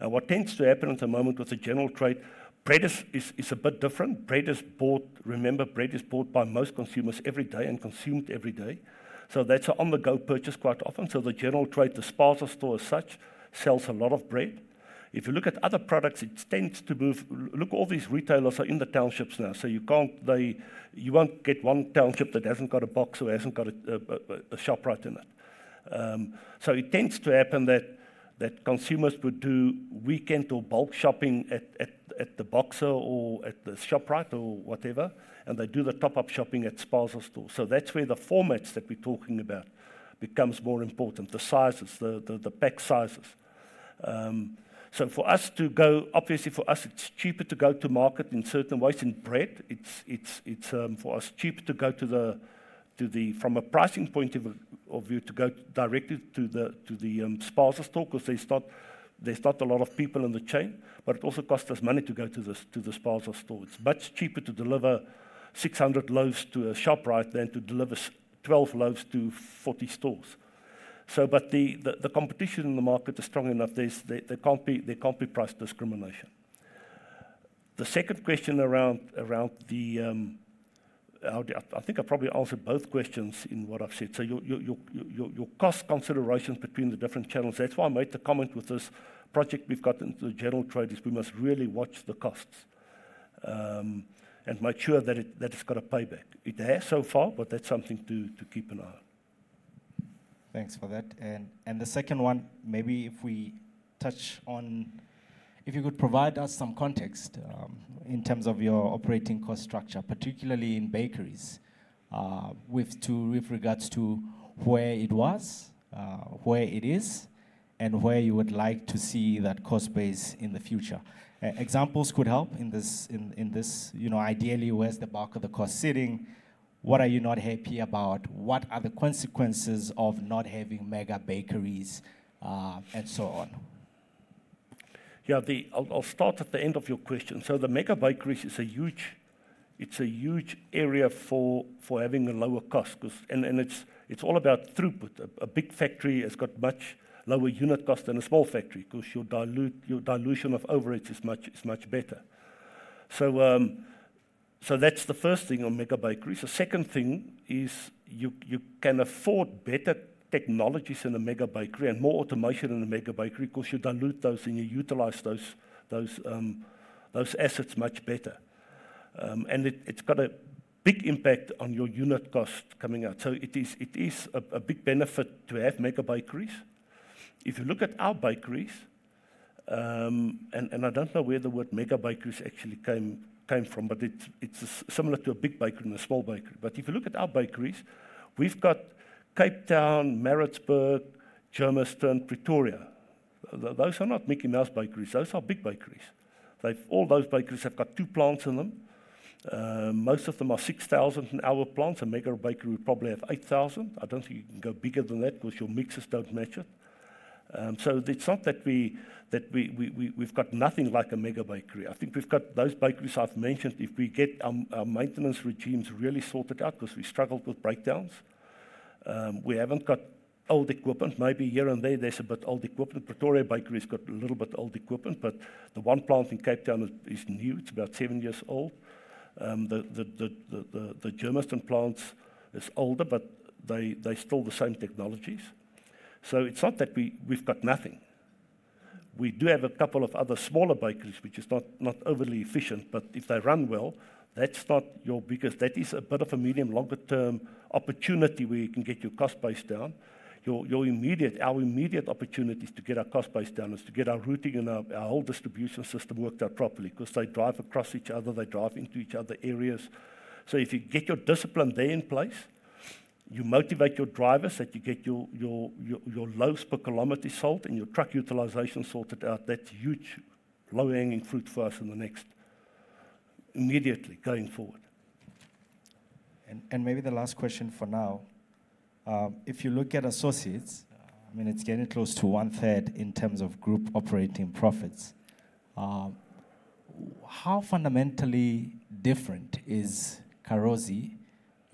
And what tends to happen at the moment with the general trade, bread is a bit different. Bread is bought... Remember, bread is bought by most consumers every day and consumed every day, so that's an on-the-go purchase quite often. So the general trade, the SPAR store as such, sells a lot of bread. If you look at other products, it tends to move... Look, all these retailers are in the townships now, so you can't, they—you won't get one township that hasn't got a Boxer or hasn't got a Shoprite in it. So it tends to happen that consumers would do weekend or bulk shopping at the Boxer or at the Shoprite or whatever, and they do the top-up shopping at SPAR store. So that's where the formats that we're talking about becomes more important, the sizes, the pack sizes. So for us to go... Obviously, for us, it's cheaper to go to market in certain ways. In bread, it's for us cheaper to go to the, from a pricing point of view, to go directly to the SPAR store, 'cause there's not a lot of people in the chain, but it also costs us money to go to the SPAR stores. It's much cheaper to deliver 600 loaves to a Shoprite than to deliver 12 loaves to 40 stores. But the competition in the market is strong enough. There can't be price discrimination. The second question around the, I think I probably answered both questions in what I've said. So your cost considerations between the different channels, that's why I made the comment with this project we've got into the general trade, is we must really watch the costs, and make sure that it's got a payback. It has so far, but that's something to keep an eye on. Thanks for that. The second one, maybe if we touch on... If you could provide us some context in terms of your operating cost structure, particularly in bakeries, with regards to where it was, where it is, and where you would like to see that cost base in the future. Examples could help in this, you know, ideally, where's the bulk of the cost sitting? What are you not happy about? What are the consequences of not having mega bakeries, and so on? Yeah, I'll start at the end of your question. So the mega bakeries is a huge area for having a lower cost, 'cause it's all about throughput. A big factory has got much lower unit cost than a small factory, 'cause your dilution of overheads is much better. So that's the first thing on mega bakeries. The second thing is you can afford better technologies in a mega bakery and more automation in a mega bakery, 'cause you dilute those and you utilize those assets much better. And it's got a big impact on your unit cost coming out. So it is a big benefit to have mega bakeries. If you look at our bakeries, and I don't know where the word mega bakeries actually came from, but it's similar to a big bakery and a small bakery. But if you look at our bakeries, we've got Cape Town, Maritzburg, Germiston, Pretoria. Those are not Mickey Mouse bakeries; those are big bakeries. They've all those bakeries have got two plants in them. Most of them are 6,000 an hour plants. A mega bakery would probably have 8,000. I don't think you can go bigger than that, 'cause your mixers don't match it. So it's not that we've got nothing like a mega bakery. I think we've got those bakeries I've mentioned. If we get our maintenance regimes really sorted out, 'cause we struggled with breakdowns, we haven't got old equipment. Maybe here and there, there's a bit old equipment. Pretoria bakery's got a little bit old equipment, but the one plant in Cape Town is new. It's about seven years old. The Germiston plant is older, but they're still the same technologies. So it's not that we've got nothing. We do have a couple of other smaller bakeries, which is not overly efficient, but if they run well, that's not your biggest... That is a bit of a medium, longer-term opportunity where you can get your cost base down. Our immediate opportunity is to get our cost base down, to get our routing and our whole distribution system worked out properly, 'cause they drive across each other, they drive into each other areas. If you get your discipline there in place, you motivate your drivers, that you get your loaves per kilometer solved and your truck utilization sorted out, that's huge low-hanging fruit for us in the next... immediately going forward. Maybe the last question for now. If you look at associates, I mean, it's getting close to one-third in terms of group operating profits. How fundamentally different is Carozzi if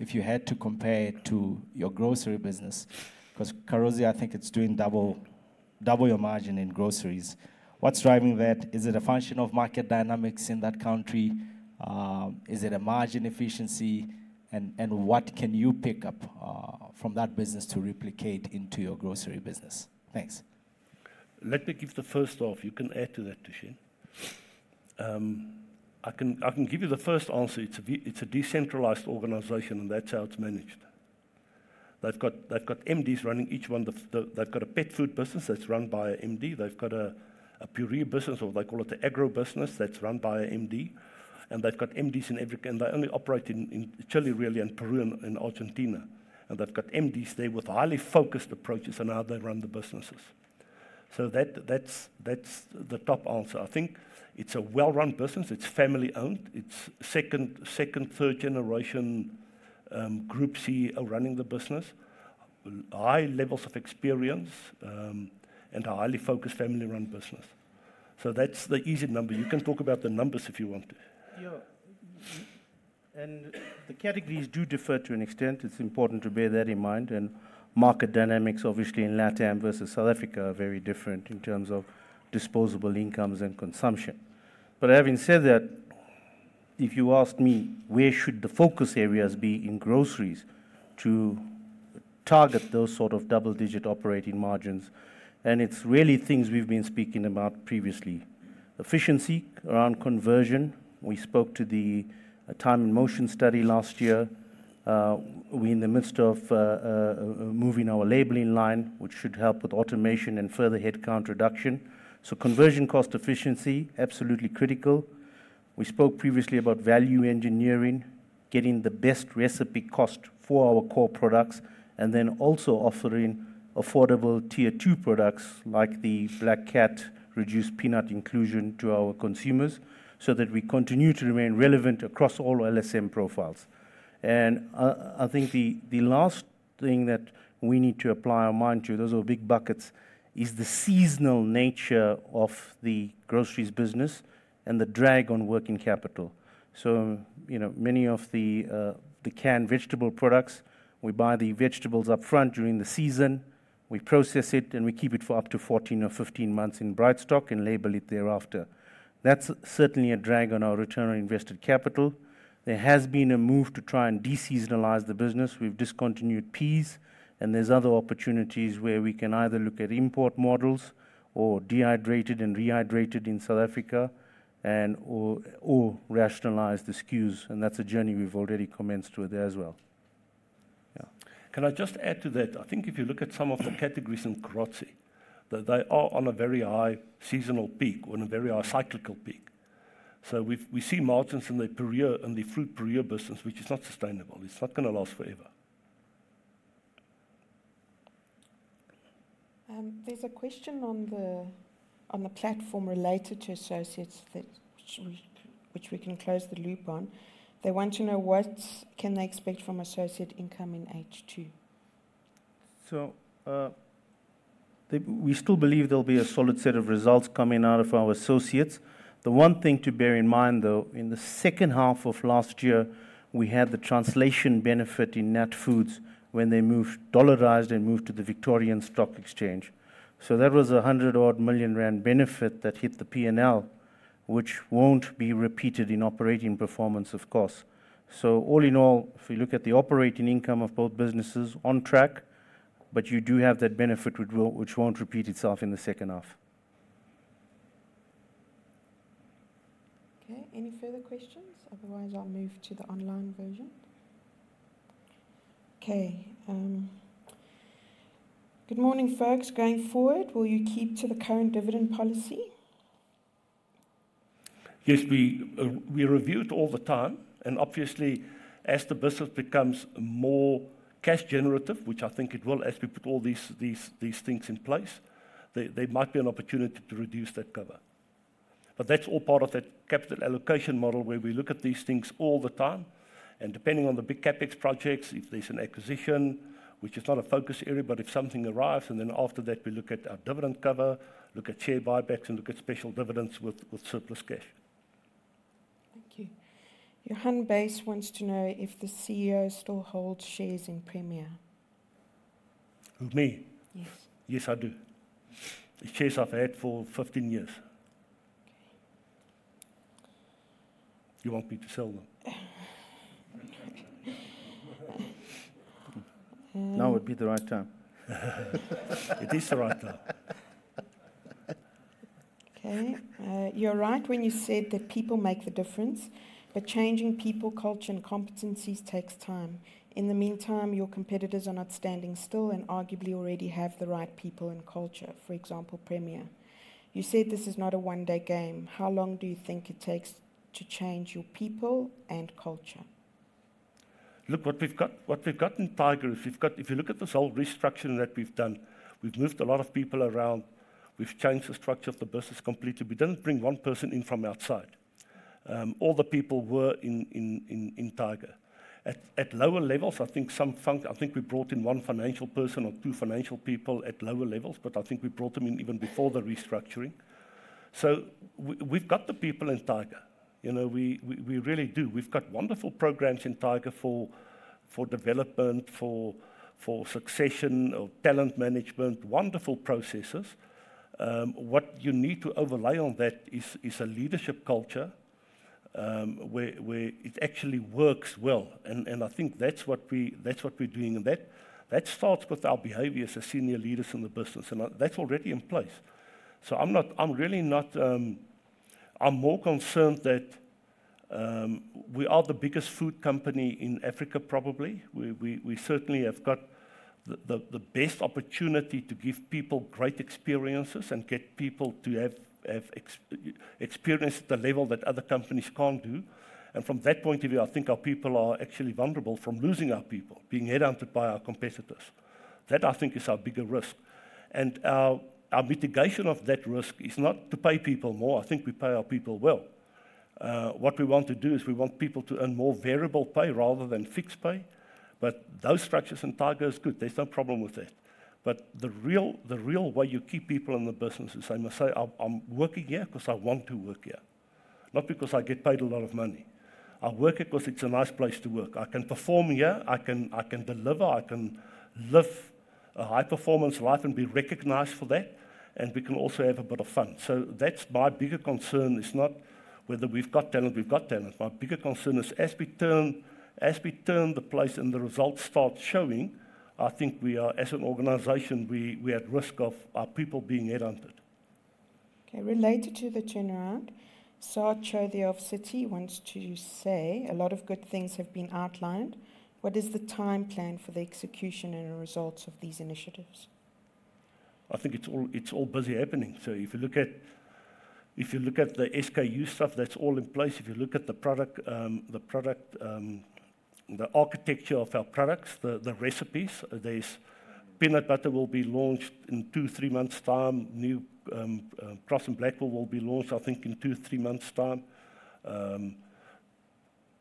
you had to compare it to your grocery business? 'Cause Carozzi, I think it's doing double, double your margin in groceries. What's driving that? Is it a function of market dynamics in that country? Is it a margin efficiency, and what can you pick up from that business to replicate into your grocery business? Thanks. Let me give the first off. You can add to that, Thushen. I can give you the first answer. It's a decentralized organization, and that's how it's managed. They've got MDs running each one of the... They've got a pet food business that's run by a MD. They've got a puree business, or they call it the agro business, that's run by a MD. And they've got MDs in every... And they only operate in Chile, really, and Peru, and Argentina, and they've got MDs there with highly focused approaches on how they run the businesses.... So that's the top answer. I think it's a well-run business. It's family-owned. It's second, third generation group CEO running the business. High levels of experience, and a highly focused family-run business. So that's the easy number. You can talk about the numbers if you want to. Yeah. And the categories do differ to an extent. It's important to bear that in mind, and market dynamics, obviously, in LATAM versus South Africa are very different in terms of disposable incomes and consumption. But having said that, if you ask me, where should the focus areas be in groceries to target those sort of double-digit operating margins? And it's really things we've been speaking about previously. Efficiency around conversion. We spoke to the time and motion study last year. We're in the midst of moving our labeling line, which should help with automation and further headcount reduction. So conversion cost efficiency, absolutely critical. We spoke previously about value engineering, getting the best recipe cost for our core products, and then also offering affordable tier two products, like the Black Cat reduced peanut inclusion, to our consumers, so that we continue to remain relevant across all LSM profiles. I think the last thing that we need to apply our mind to, those are big buckets, is the seasonal nature of the groceries business and the drag on working capital. So, you know, many of the canned vegetable products, we buy the vegetables up front during the season, we process it, and we keep it for up to 14 or 15 months in Brightstock and label it thereafter. That's certainly a drag on our return on invested capital. There has been a move to try and de-seasonalize the business. We've discontinued peas, and there's other opportunities where we can either look at import models or dehydrated and rehydrated in South Africa and or, or rationalize the SKUs, and that's a journey we've already commenced with there as well. Yeah. Can I just add to that? I think if you look at some of the categories in Carozzi, that they are on a very high seasonal peak or on a very high cyclical peak. So we see margins in the puree, in the fruit puree business, which is not sustainable. It's not gonna last forever. There's a question on the platform related to associates—which we can close the loop on. They want to know: What can they expect from associate income in H2? So, we still believe there'll be a solid set of results coming out of our associates. The one thing to bear in mind, though, in the second half of last year, we had the translation benefit in National Foods when they moved, dollarized and moved to the Victoria Falls Stock Exchange. So that was a 100-odd million rand benefit that hit the P&L, which won't be repeated in operating performance, of course. So all in all, if we look at the operating income of both businesses, on track, but you do have that benefit which will- which won't repeat itself in the second half. Okay, any further questions? Otherwise, I'll move to the online version. Okay, good morning, folks. Going forward, will you keep to the current dividend policy? Yes, we review it all the time, and obviously, as the business becomes more cash generative, which I think it will as we put all these things in place, there might be an opportunity to reduce that cover. But that's all part of that capital allocation model, where we look at these things all the time, and depending on the big CapEx projects, if there's an acquisition, which is not a focus area, but if something arrives, and then after that, we look at our dividend cover, look at share buybacks, and look at special dividends with surplus cash. Thank you. Johan Buys wants to know if the CEO still holds shares in Premier. Who, me? Yes. Yes, I do. The shares I've had for 15 years. Okay. You want me to sell them? Now would be the right time. It is the right time. Okay, you're right when you said that people make the difference, but changing people, culture, and competencies takes time. In the meantime, your competitors are not standing still and arguably already have the right people and culture, for example, Premier. You said this is not a one-day game. How long do you think it takes to change your people and culture? Look, what we've got, what we've got in Tiger is we've got... If you look at this whole restructuring that we've done, we've moved a lot of people around. We've changed the structure of the business completely. We didn't bring one person in from outside. All the people were in Tiger. At lower levels, I think we brought in one financial person or two financial people at lower levels, but I think we brought them in even before the restructuring. So we've got the people in Tiger. You know, we really do. We've got wonderful programs in Tiger for development, for succession or talent management. Wonderful processes. What you need to overlay on that is a leadership culture, where it actually works well, and I think that's what we're doing. And that starts with our behavior as the senior leaders in the business, and that's already in place. So I'm not, I'm really not... I'm more concerned that we are the biggest food company in Africa, probably. We certainly have got the best opportunity to give people great experiences and get people to have experience the level that other companies can't do. And from that point of view, I think our people are actually vulnerable from losing our people, being headhunted by our competitors. That, I think, is our bigger risk. And our mitigation of that risk is not to pay people more. I think we pay our people well... what we want to do is we want people to earn more variable pay rather than fixed pay. But those structures in Tiger is good, there's no problem with that. But the real, the real way you keep people in the business is they must say, "I'm, I'm working here 'cause I want to work here, not because I get paid a lot of money. I work here 'cause it's a nice place to work. I can perform here, I can, I can deliver, I can live a high-performance life and be recognized for that, and we can also have a bit of fun." So that's my bigger concern, is not whether we've got talent. We've got talent. My bigger concern is, as we turn the place and the results start showing, I think we are, as an organization, we're at risk of our people being headhunted. Okay, related to the turnaround, Zintle Sesane of Citi wants to say: "A lot of good things have been outlined. What is the time plan for the execution and the results of these initiatives? I think it's all, it's all busy happening. So if you look at, if you look at the SKU stuff, that's all in place. If you look at the product, the product... the architecture of our products, the, the recipes, there's peanut butter will be launched in 2-3 months' time. New, Crosse & Blackwell will be launched, I think, in 2-3 months' time.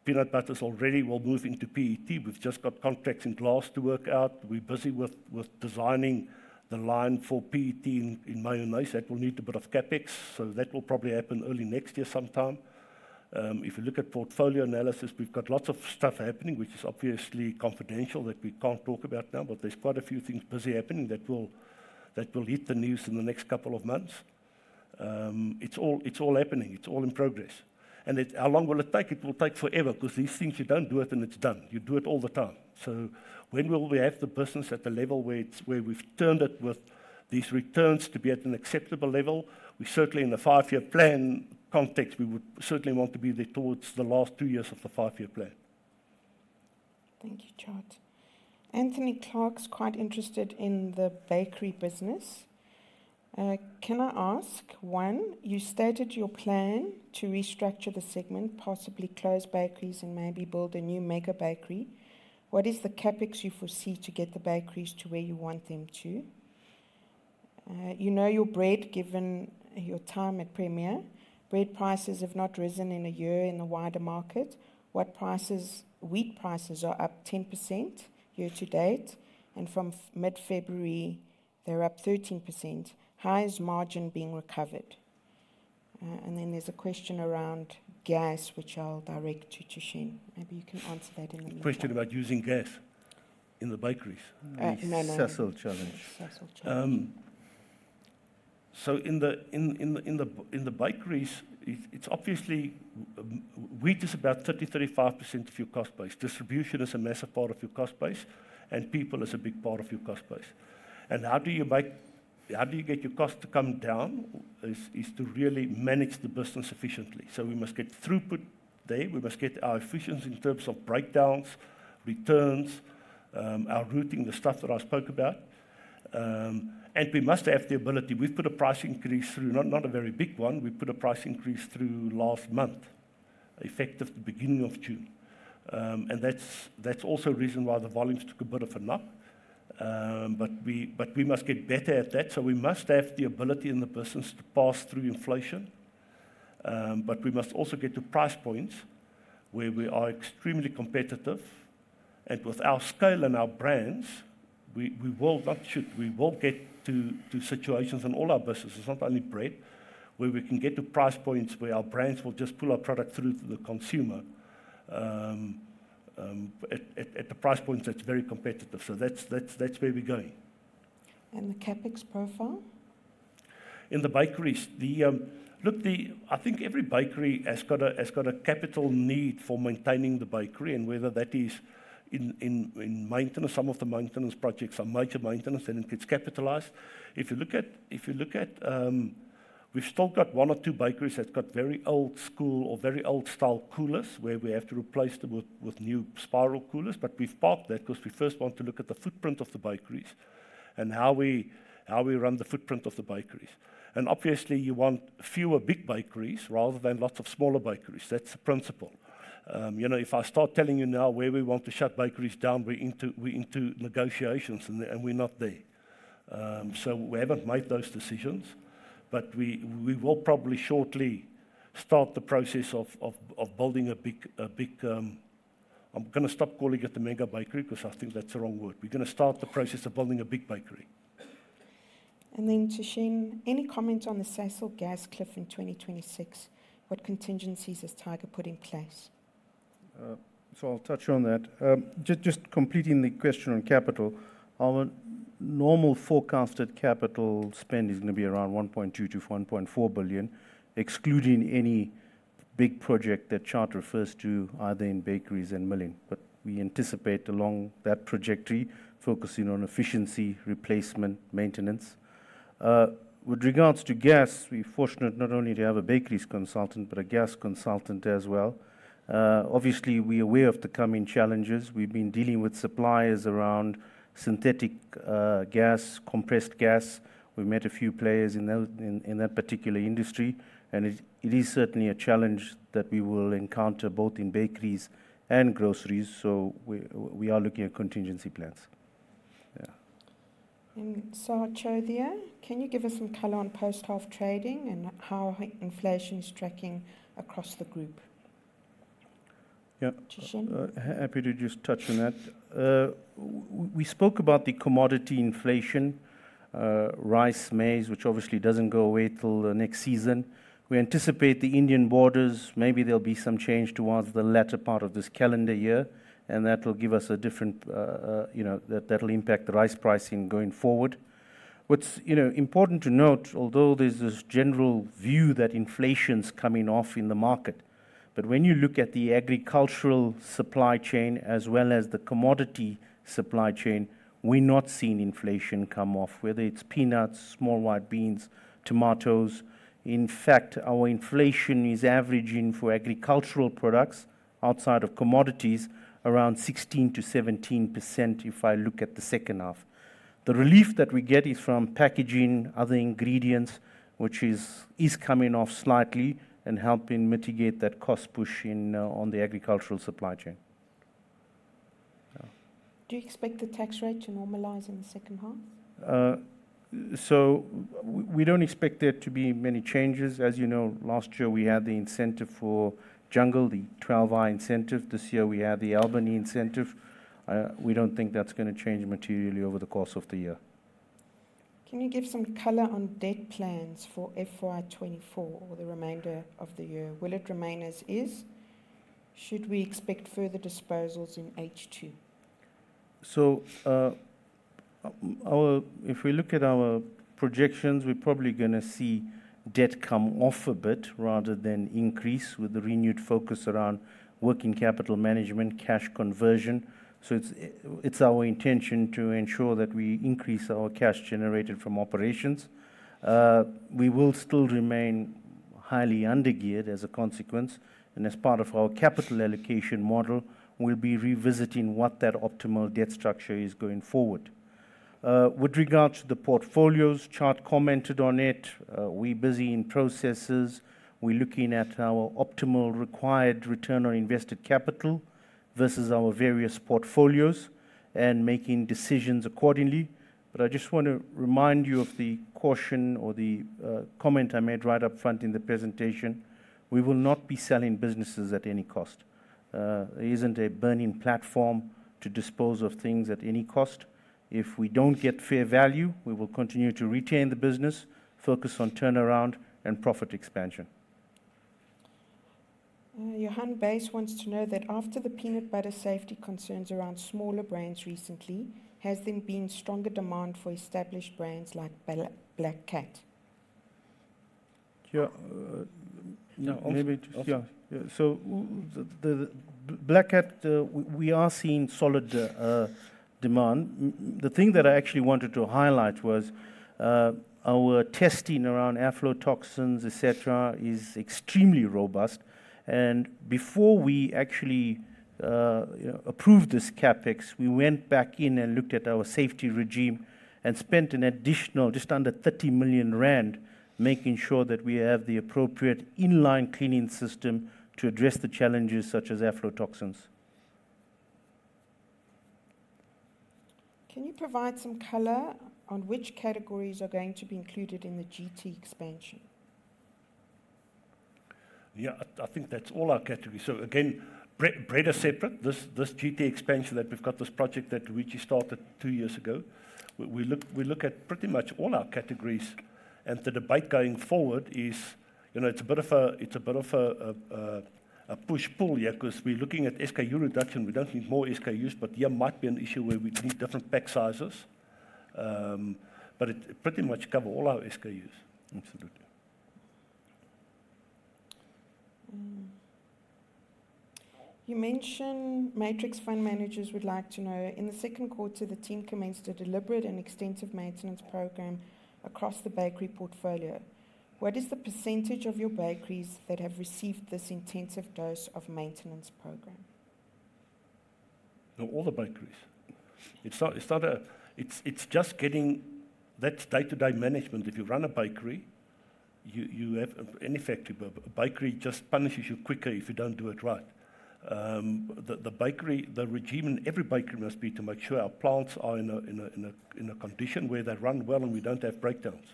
Peanut butters already will move into PET. We've just got contracts in glass to work out. We're busy with, with designing the line for PET in, in mayonnaise. That will need a bit of CapEx, so that will probably happen early next year sometime. If you look at portfolio analysis, we've got lots of stuff happening, which is obviously confidential, that we can't talk about now, but there's quite a few things busy happening that will, that will hit the news in the next couple of months. It's all, it's all happening. It's all in progress. How long will it take? It will take forever, 'cause these things, you don't do it and it's done. You do it all the time. So when will we have the business at the level where it's, where we've turned it, with these returns to be at an acceptable level? We certainly, in the five-year plan context, we would certainly want to be there towards the last two years of the five-year plan. Thank you, Tjaart. Anthony Clark's quite interested in the bakery business. "Can I ask, one, you stated your plan to restructure the segment, possibly close bakeries and maybe build a new mega bakery. What is the CapEx you foresee to get the bakeries to where you want them to? You know your bread, given your time at Premier. Bread prices have not risen in a year in the wider market. What prices - wheat prices are up 10% year to date, and from mid-February, they're up 13%. How is margin being recovered?" And then there's a question around gas, which I'll direct to Thushen. Maybe you can answer that in a little bit. A question about using gas in the bakeries? No, no. Sasol challenge. Sasol challenge. So in the bakeries, it's obviously wheat is about 30%-35% of your cost base. Distribution is a massive part of your cost base, and people is a big part of your cost base. How do you get your cost to come down is to really manage the business efficiently. So we must get throughput there. We must get our efficiency in terms of breakdowns, returns, our routing, the stuff that I spoke about. And we must have the ability. We've put a price increase through, not a very big one. We put a price increase through last month, effective the beginning of June. And that's also reason why the volumes took a bit of a knock. But we must get better at that, so we must have the ability in the business to pass through inflation. But we must also get to price points where we are extremely competitive, and with our scale and our brands, we will, not should, we will get to situations in all our businesses, not only bread, where we can get to price points where our brands will just pull our product through to the consumer, at the price point that's very competitive. So that's where we're going. The CapEx profile? In the bakeries, look, the- I think every bakery has got a capital need for maintaining the bakery, and whether that is in maintenance, some of the maintenance projects are major maintenance, and it gets capitalized. If you look at, we've still got one or two bakeries that's got very old-school or very old-style coolers, where we have to replace them with new spiral coolers. But we've parked that, 'cause we first want to look at the footprint of the bakeries and how we run the footprint of the bakeries. And obviously, you want fewer big bakeries rather than lots of smaller bakeries. That's the principle. You know, if I start telling you now where we want to shut bakeries down, we're into negotiations, and we're not there. So we haven't made those decisions, but we will probably shortly start the process of building a big. I'm gonna stop calling it the mega bakery, 'cause I think that's the wrong word. We're gonna start the process of building a big bakery. And then, Thushen, any comment on the Sasol gas cliff in 2026? What contingencies has Tiger put in place? So I'll touch on that. Just completing the question on capital, our normal forecasted capital spend is gonna be around 1.2 billion-1.4 billion, excluding any big project that Tjaart refers to, either in bakeries and milling. But we anticipate along that trajectory, focusing on efficiency, replacement, maintenance. With regards to gas, we're fortunate not only to have a bakeries consultant, but a gas consultant as well. Obviously, we're aware of the coming challenges. We've been dealing with suppliers around synthetic gas, compressed gas. We've met a few players in that particular industry, and it is certainly a challenge that we will encounter both in bakeries and groceries, so we are looking at contingency plans. And Sa'iyyah Chodhia, can you give us some color on post-half trading and how inflation is tracking across the group? Yeah. Shishin? Happy to just touch on that. We spoke about the commodity inflation, rice, maize, which obviously doesn't go away till the next season. We anticipate the Indian borders, maybe there'll be some change towards the latter part of this calendar year, and that will give us a different, you know, that'll impact the rice pricing going forward. What's, you know, important to note, although there's this general view that inflation's coming off in the market, but when you look at the agricultural supply chain as well as the commodity supply chain, we're not seeing inflation come off, whether it's peanuts, small white beans, tomatoes. In fact, our inflation is averaging, for agricultural products outside of commodities, around 16%-17% if I look at the second half. The relief that we get is from packaging, other ingredients, which is coming off slightly and helping mitigate that cost push in on the agricultural supply chain. Yeah. Do you expect the tax rate to normalize in the second half? So we don't expect there to be many changes. As you know, last year we had the incentive for Jungle, the 12I incentive. This year we had the Albany incentive. We don't think that's gonna change materially over the course of the year. Can you give some color on debt plans for FY24 or the remainder of the year? Will it remain as is? Should we expect further disposals in H2? If we look at our projections, we're probably gonna see debt come off a bit rather than increase, with the renewed focus around working capital management, cash conversion. So it's our intention to ensure that we increase our cash generated from operations. We will still remain highly under-geared as a consequence, and as part of our capital allocation model, we'll be revisiting what that optimal debt structure is going forward. With regards to the portfolios, Chad commented on it. We're busy in processes. We're looking at our optimal required return on invested capital versus our various portfolios and making decisions accordingly. But I just want to remind you of the caution or the comment I made right up front in the presentation. We will not be selling businesses at any cost. There isn't a burning platform to dispose of things at any cost. If we don't get fair value, we will continue to retain the business, focus on turnaround and profit expansion. Johan Buys wants to know that after the peanut butter safety concerns around smaller brands recently, has there been stronger demand for established brands like Black Cat? Yeah, uh- No, maybe just- Okay. Yeah. So the Black Cat, we are seeing solid demand. The thing that I actually wanted to highlight was, our testing around aflatoxins, et cetera, is extremely robust. And before we actually, you know, approved this CapEx, we went back in and looked at our safety regime and spent an additional just under 30 million rand, making sure that we have the appropriate in-line cleaning system to address the challenges such as aflatoxins. Can you provide some color on which categories are going to be included in the GT expansion? Yeah, I think that's all our categories. So again, bread are separate. This GT expansion that we've got, this project that Luigi started two years ago, we look at pretty much all our categories. And the debate going forward is, you know, it's a bit of a push-pull, yeah, 'cause we're looking at SKU reduction. We don't need more SKUs, but there might be an issue where we'd need different pack sizes. But it pretty much cover all our SKUs. Absolutely. You mentioned Matrix Fund Managers would like to know, in the Q2, the team commenced a deliberate and extensive maintenance program across the bakery portfolio. What is the percentage of your bakeries that have received this intensive dose of maintenance program? No, all the bakeries. It's not a... It's just getting— That's day-to-day management. If you run a bakery, you have any effective, but a bakery just punishes you quicker if you don't do it right. The bakery regime in every bakery must be to make sure our plants are in a condition where they run well, and we don't have breakdowns.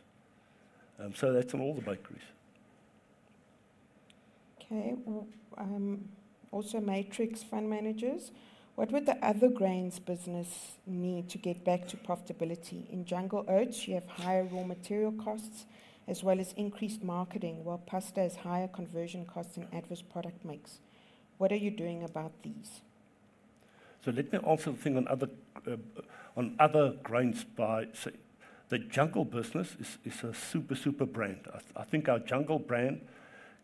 So that's in all the bakeries. Okay. Well, also Matrix Fund Managers, what would the other grains business need to get back to profitability? In Jungle Oats, you have higher raw material costs as well as increased marketing, while pasta has higher conversion costs and adverse product mix. What are you doing about these? So let me answer the thing on other grains by saying. The Jungle business is a super, super brand. I think our Jungle brand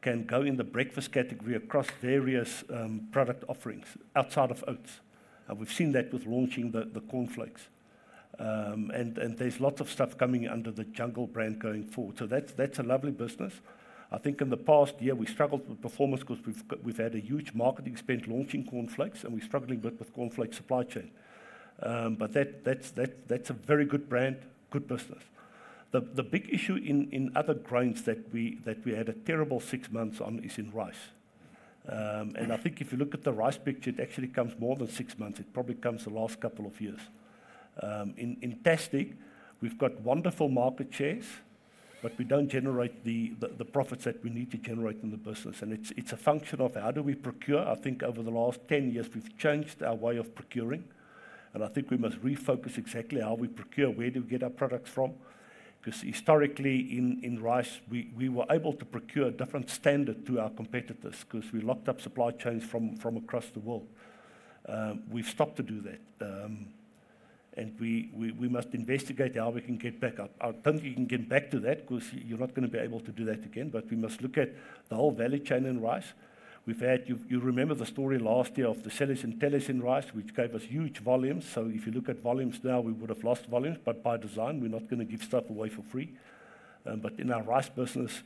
can go in the breakfast category across various product offerings outside of oats, and we've seen that with launching the cornflakes. And there's lots of stuff coming under the Jungle brand going forward. So that's a lovely business. I think in the past year, we struggled with performance 'cause we've had a huge marketing spend launching cornflakes, and we're struggling with cornflake supply chain. But that's a very good brand, good business. The big issue in other grains that we had a terrible six months on is in rice.... And I think if you look at the rice picture, it actually comes more than six months. It probably comes the last couple of years. In plastic, we've got wonderful market shares, but we don't generate the profits that we need to generate in the business. And it's a function of how do we procure? I think over the last 10 years, we've changed our way of procuring, and I think we must refocus exactly how we procure, where do we get our products from? Because historically, in rice, we were able to procure a different standard to our competitors because we locked up supply chains from across the world. We've stopped to do that. And we must investigate how we can get back up. I don't think you can get back to that because you're not gonna be able to do that again. But we must look at the whole value chain in rice. We've had you, you remember the story last year of the Tellus in rice, which gave us huge volumes. So if you look at volumes now, we would have lost volumes, but by design, we're not gonna give stuff away for free. But in our rice business,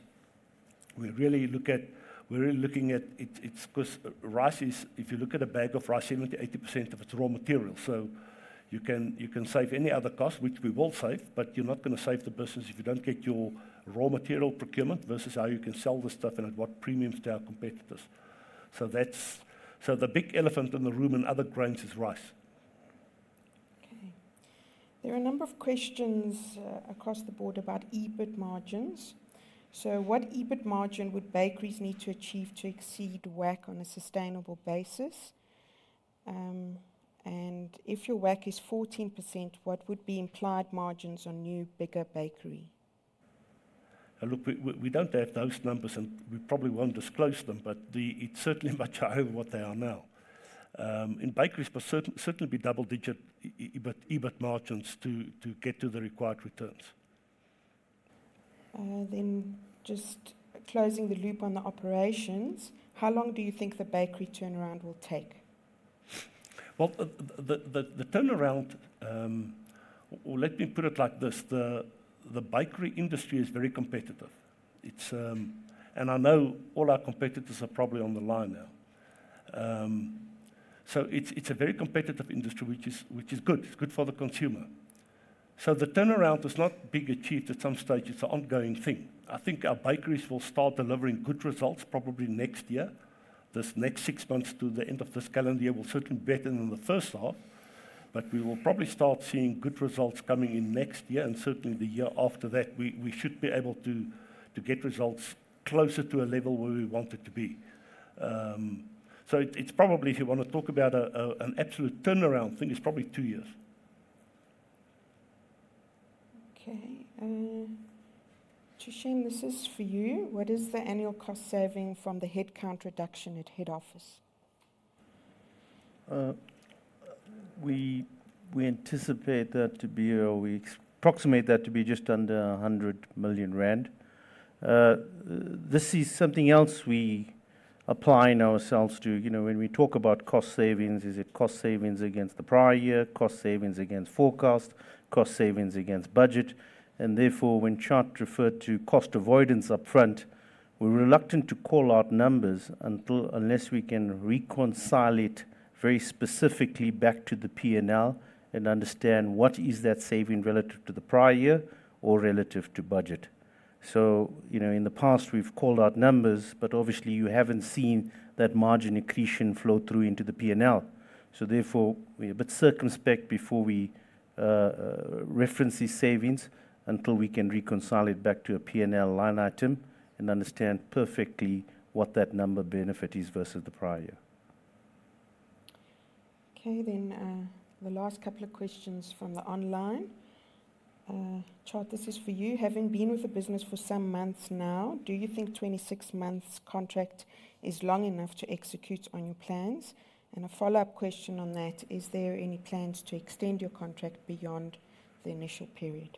we're really looking at it, it's 'cause rice is, if you look at a bag of rice, 70%-80% of it is raw material. So you can, you can save any other cost, which we will save, but you're not gonna save the business if you don't get your raw material procurement versus how you can sell the stuff and at what premiums to our competitors. So that's, so the big elephant in the room in other grains is rice. Okay. There are a number of questions across the board about EBIT margins. So what EBIT margin would bakeries need to achieve to exceed WACC on a sustainable basis? And if your WACC is 14%, what would be implied margins on new, bigger bakery? Look, we don't have those numbers, and we probably won't disclose them, but it's certainly much higher than what they are now. In bakeries, but certainly be double-digit EBIT margins to get to the required returns. Then, just closing the loop on the operations, how long do you think the bakery turnaround will take? Well, the turnaround, or let me put it like this: the bakery industry is very competitive. It's. And I know all our competitors are probably on the line now. So it's a very competitive industry, which is good. It's good for the consumer. So the turnaround is not being achieved at some stage. It's an ongoing thing. I think our bakeries will start delivering good results probably next year. This next six months to the end of this calendar year will certainly be better than the first half, but we will probably start seeing good results coming in next year and certainly the year after that. We should be able to get results closer to a level where we want it to be. So it's probably, if you want to talk about an absolute turnaround thing, it's probably two years. Okay, Thushen, this is for you. What is the annual cost saving from the headcount reduction at head office? We anticipate that to be, or we approximate that to be just under 100 million rand. This is something else we're applying ourselves to. You know, when we talk about cost savings, is it cost savings against the prior year, cost savings against forecast, cost savings against budget? And therefore, when Thushen referred to cost avoidance upfront, we're reluctant to call out numbers until unless we can reconcile it very specifically back to the P&L and understand what is that saving relative to the prior year or relative to budget. So, you know, in the past, we've called out numbers, but obviously you haven't seen that margin accretion flow through into the P&L. So therefore, we're a bit circumspect before we reference these savings, until we can reconcile it back to a P&L line item and understand perfectly what that number benefit is versus the prior year. Okay, then, the last couple of questions from the online. Tjaart, this is for you. Having been with the business for some months now, do you think 26 months contract is long enough to execute on your plans? And a follow-up question on that, is there any plans to extend your contract beyond the initial period?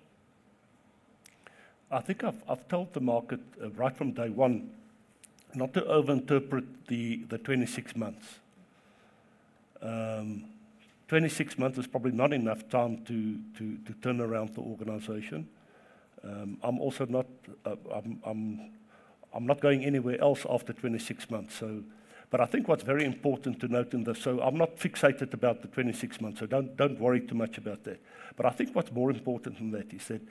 I think I've told the market right from day one not to overinterpret the 26 months. 26 months is probably not enough time to turn around the organization. I'm also not going anywhere else after 26 months, so... But I think what's very important to note in this, so I'm not fixated about the 26 months, so don't worry too much about that. But I think what's more important than that is that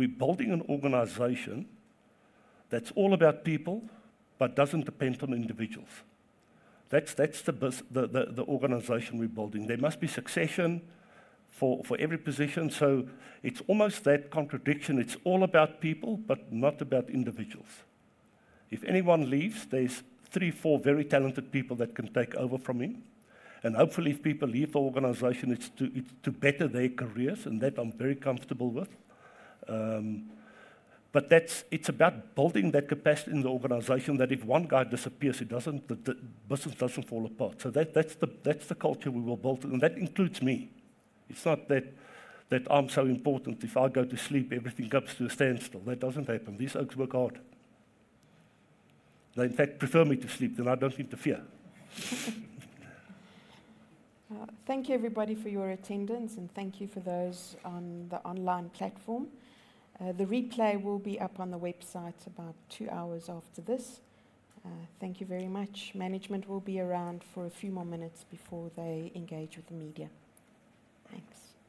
we're building an organization that's all about people, but doesn't depend on individuals. That's the organization we're building. There must be succession for every position. So it's almost that contradiction. It's all about people, but not about individuals. If anyone leaves, there's three, four very talented people that can take over from him. Hopefully, if people leave the organization, it's to better their careers, and that I'm very comfortable with. But that's it about building that capacity in the organization that if one guy disappears, it doesn't, the business doesn't fall apart. So that's the culture we will build, and that includes me. It's not that I'm so important, if I go to sleep, everything comes to a standstill. That doesn't happen. These folks work hard. They, in fact, prefer me to sleep, then I don't interfere. Thank you, everybody, for your attendance, and thank you for those on the online platform. The replay will be up on the website about two hours after this. Thank you very much. Management will be around for a few more minutes before they engage with the media. Thanks.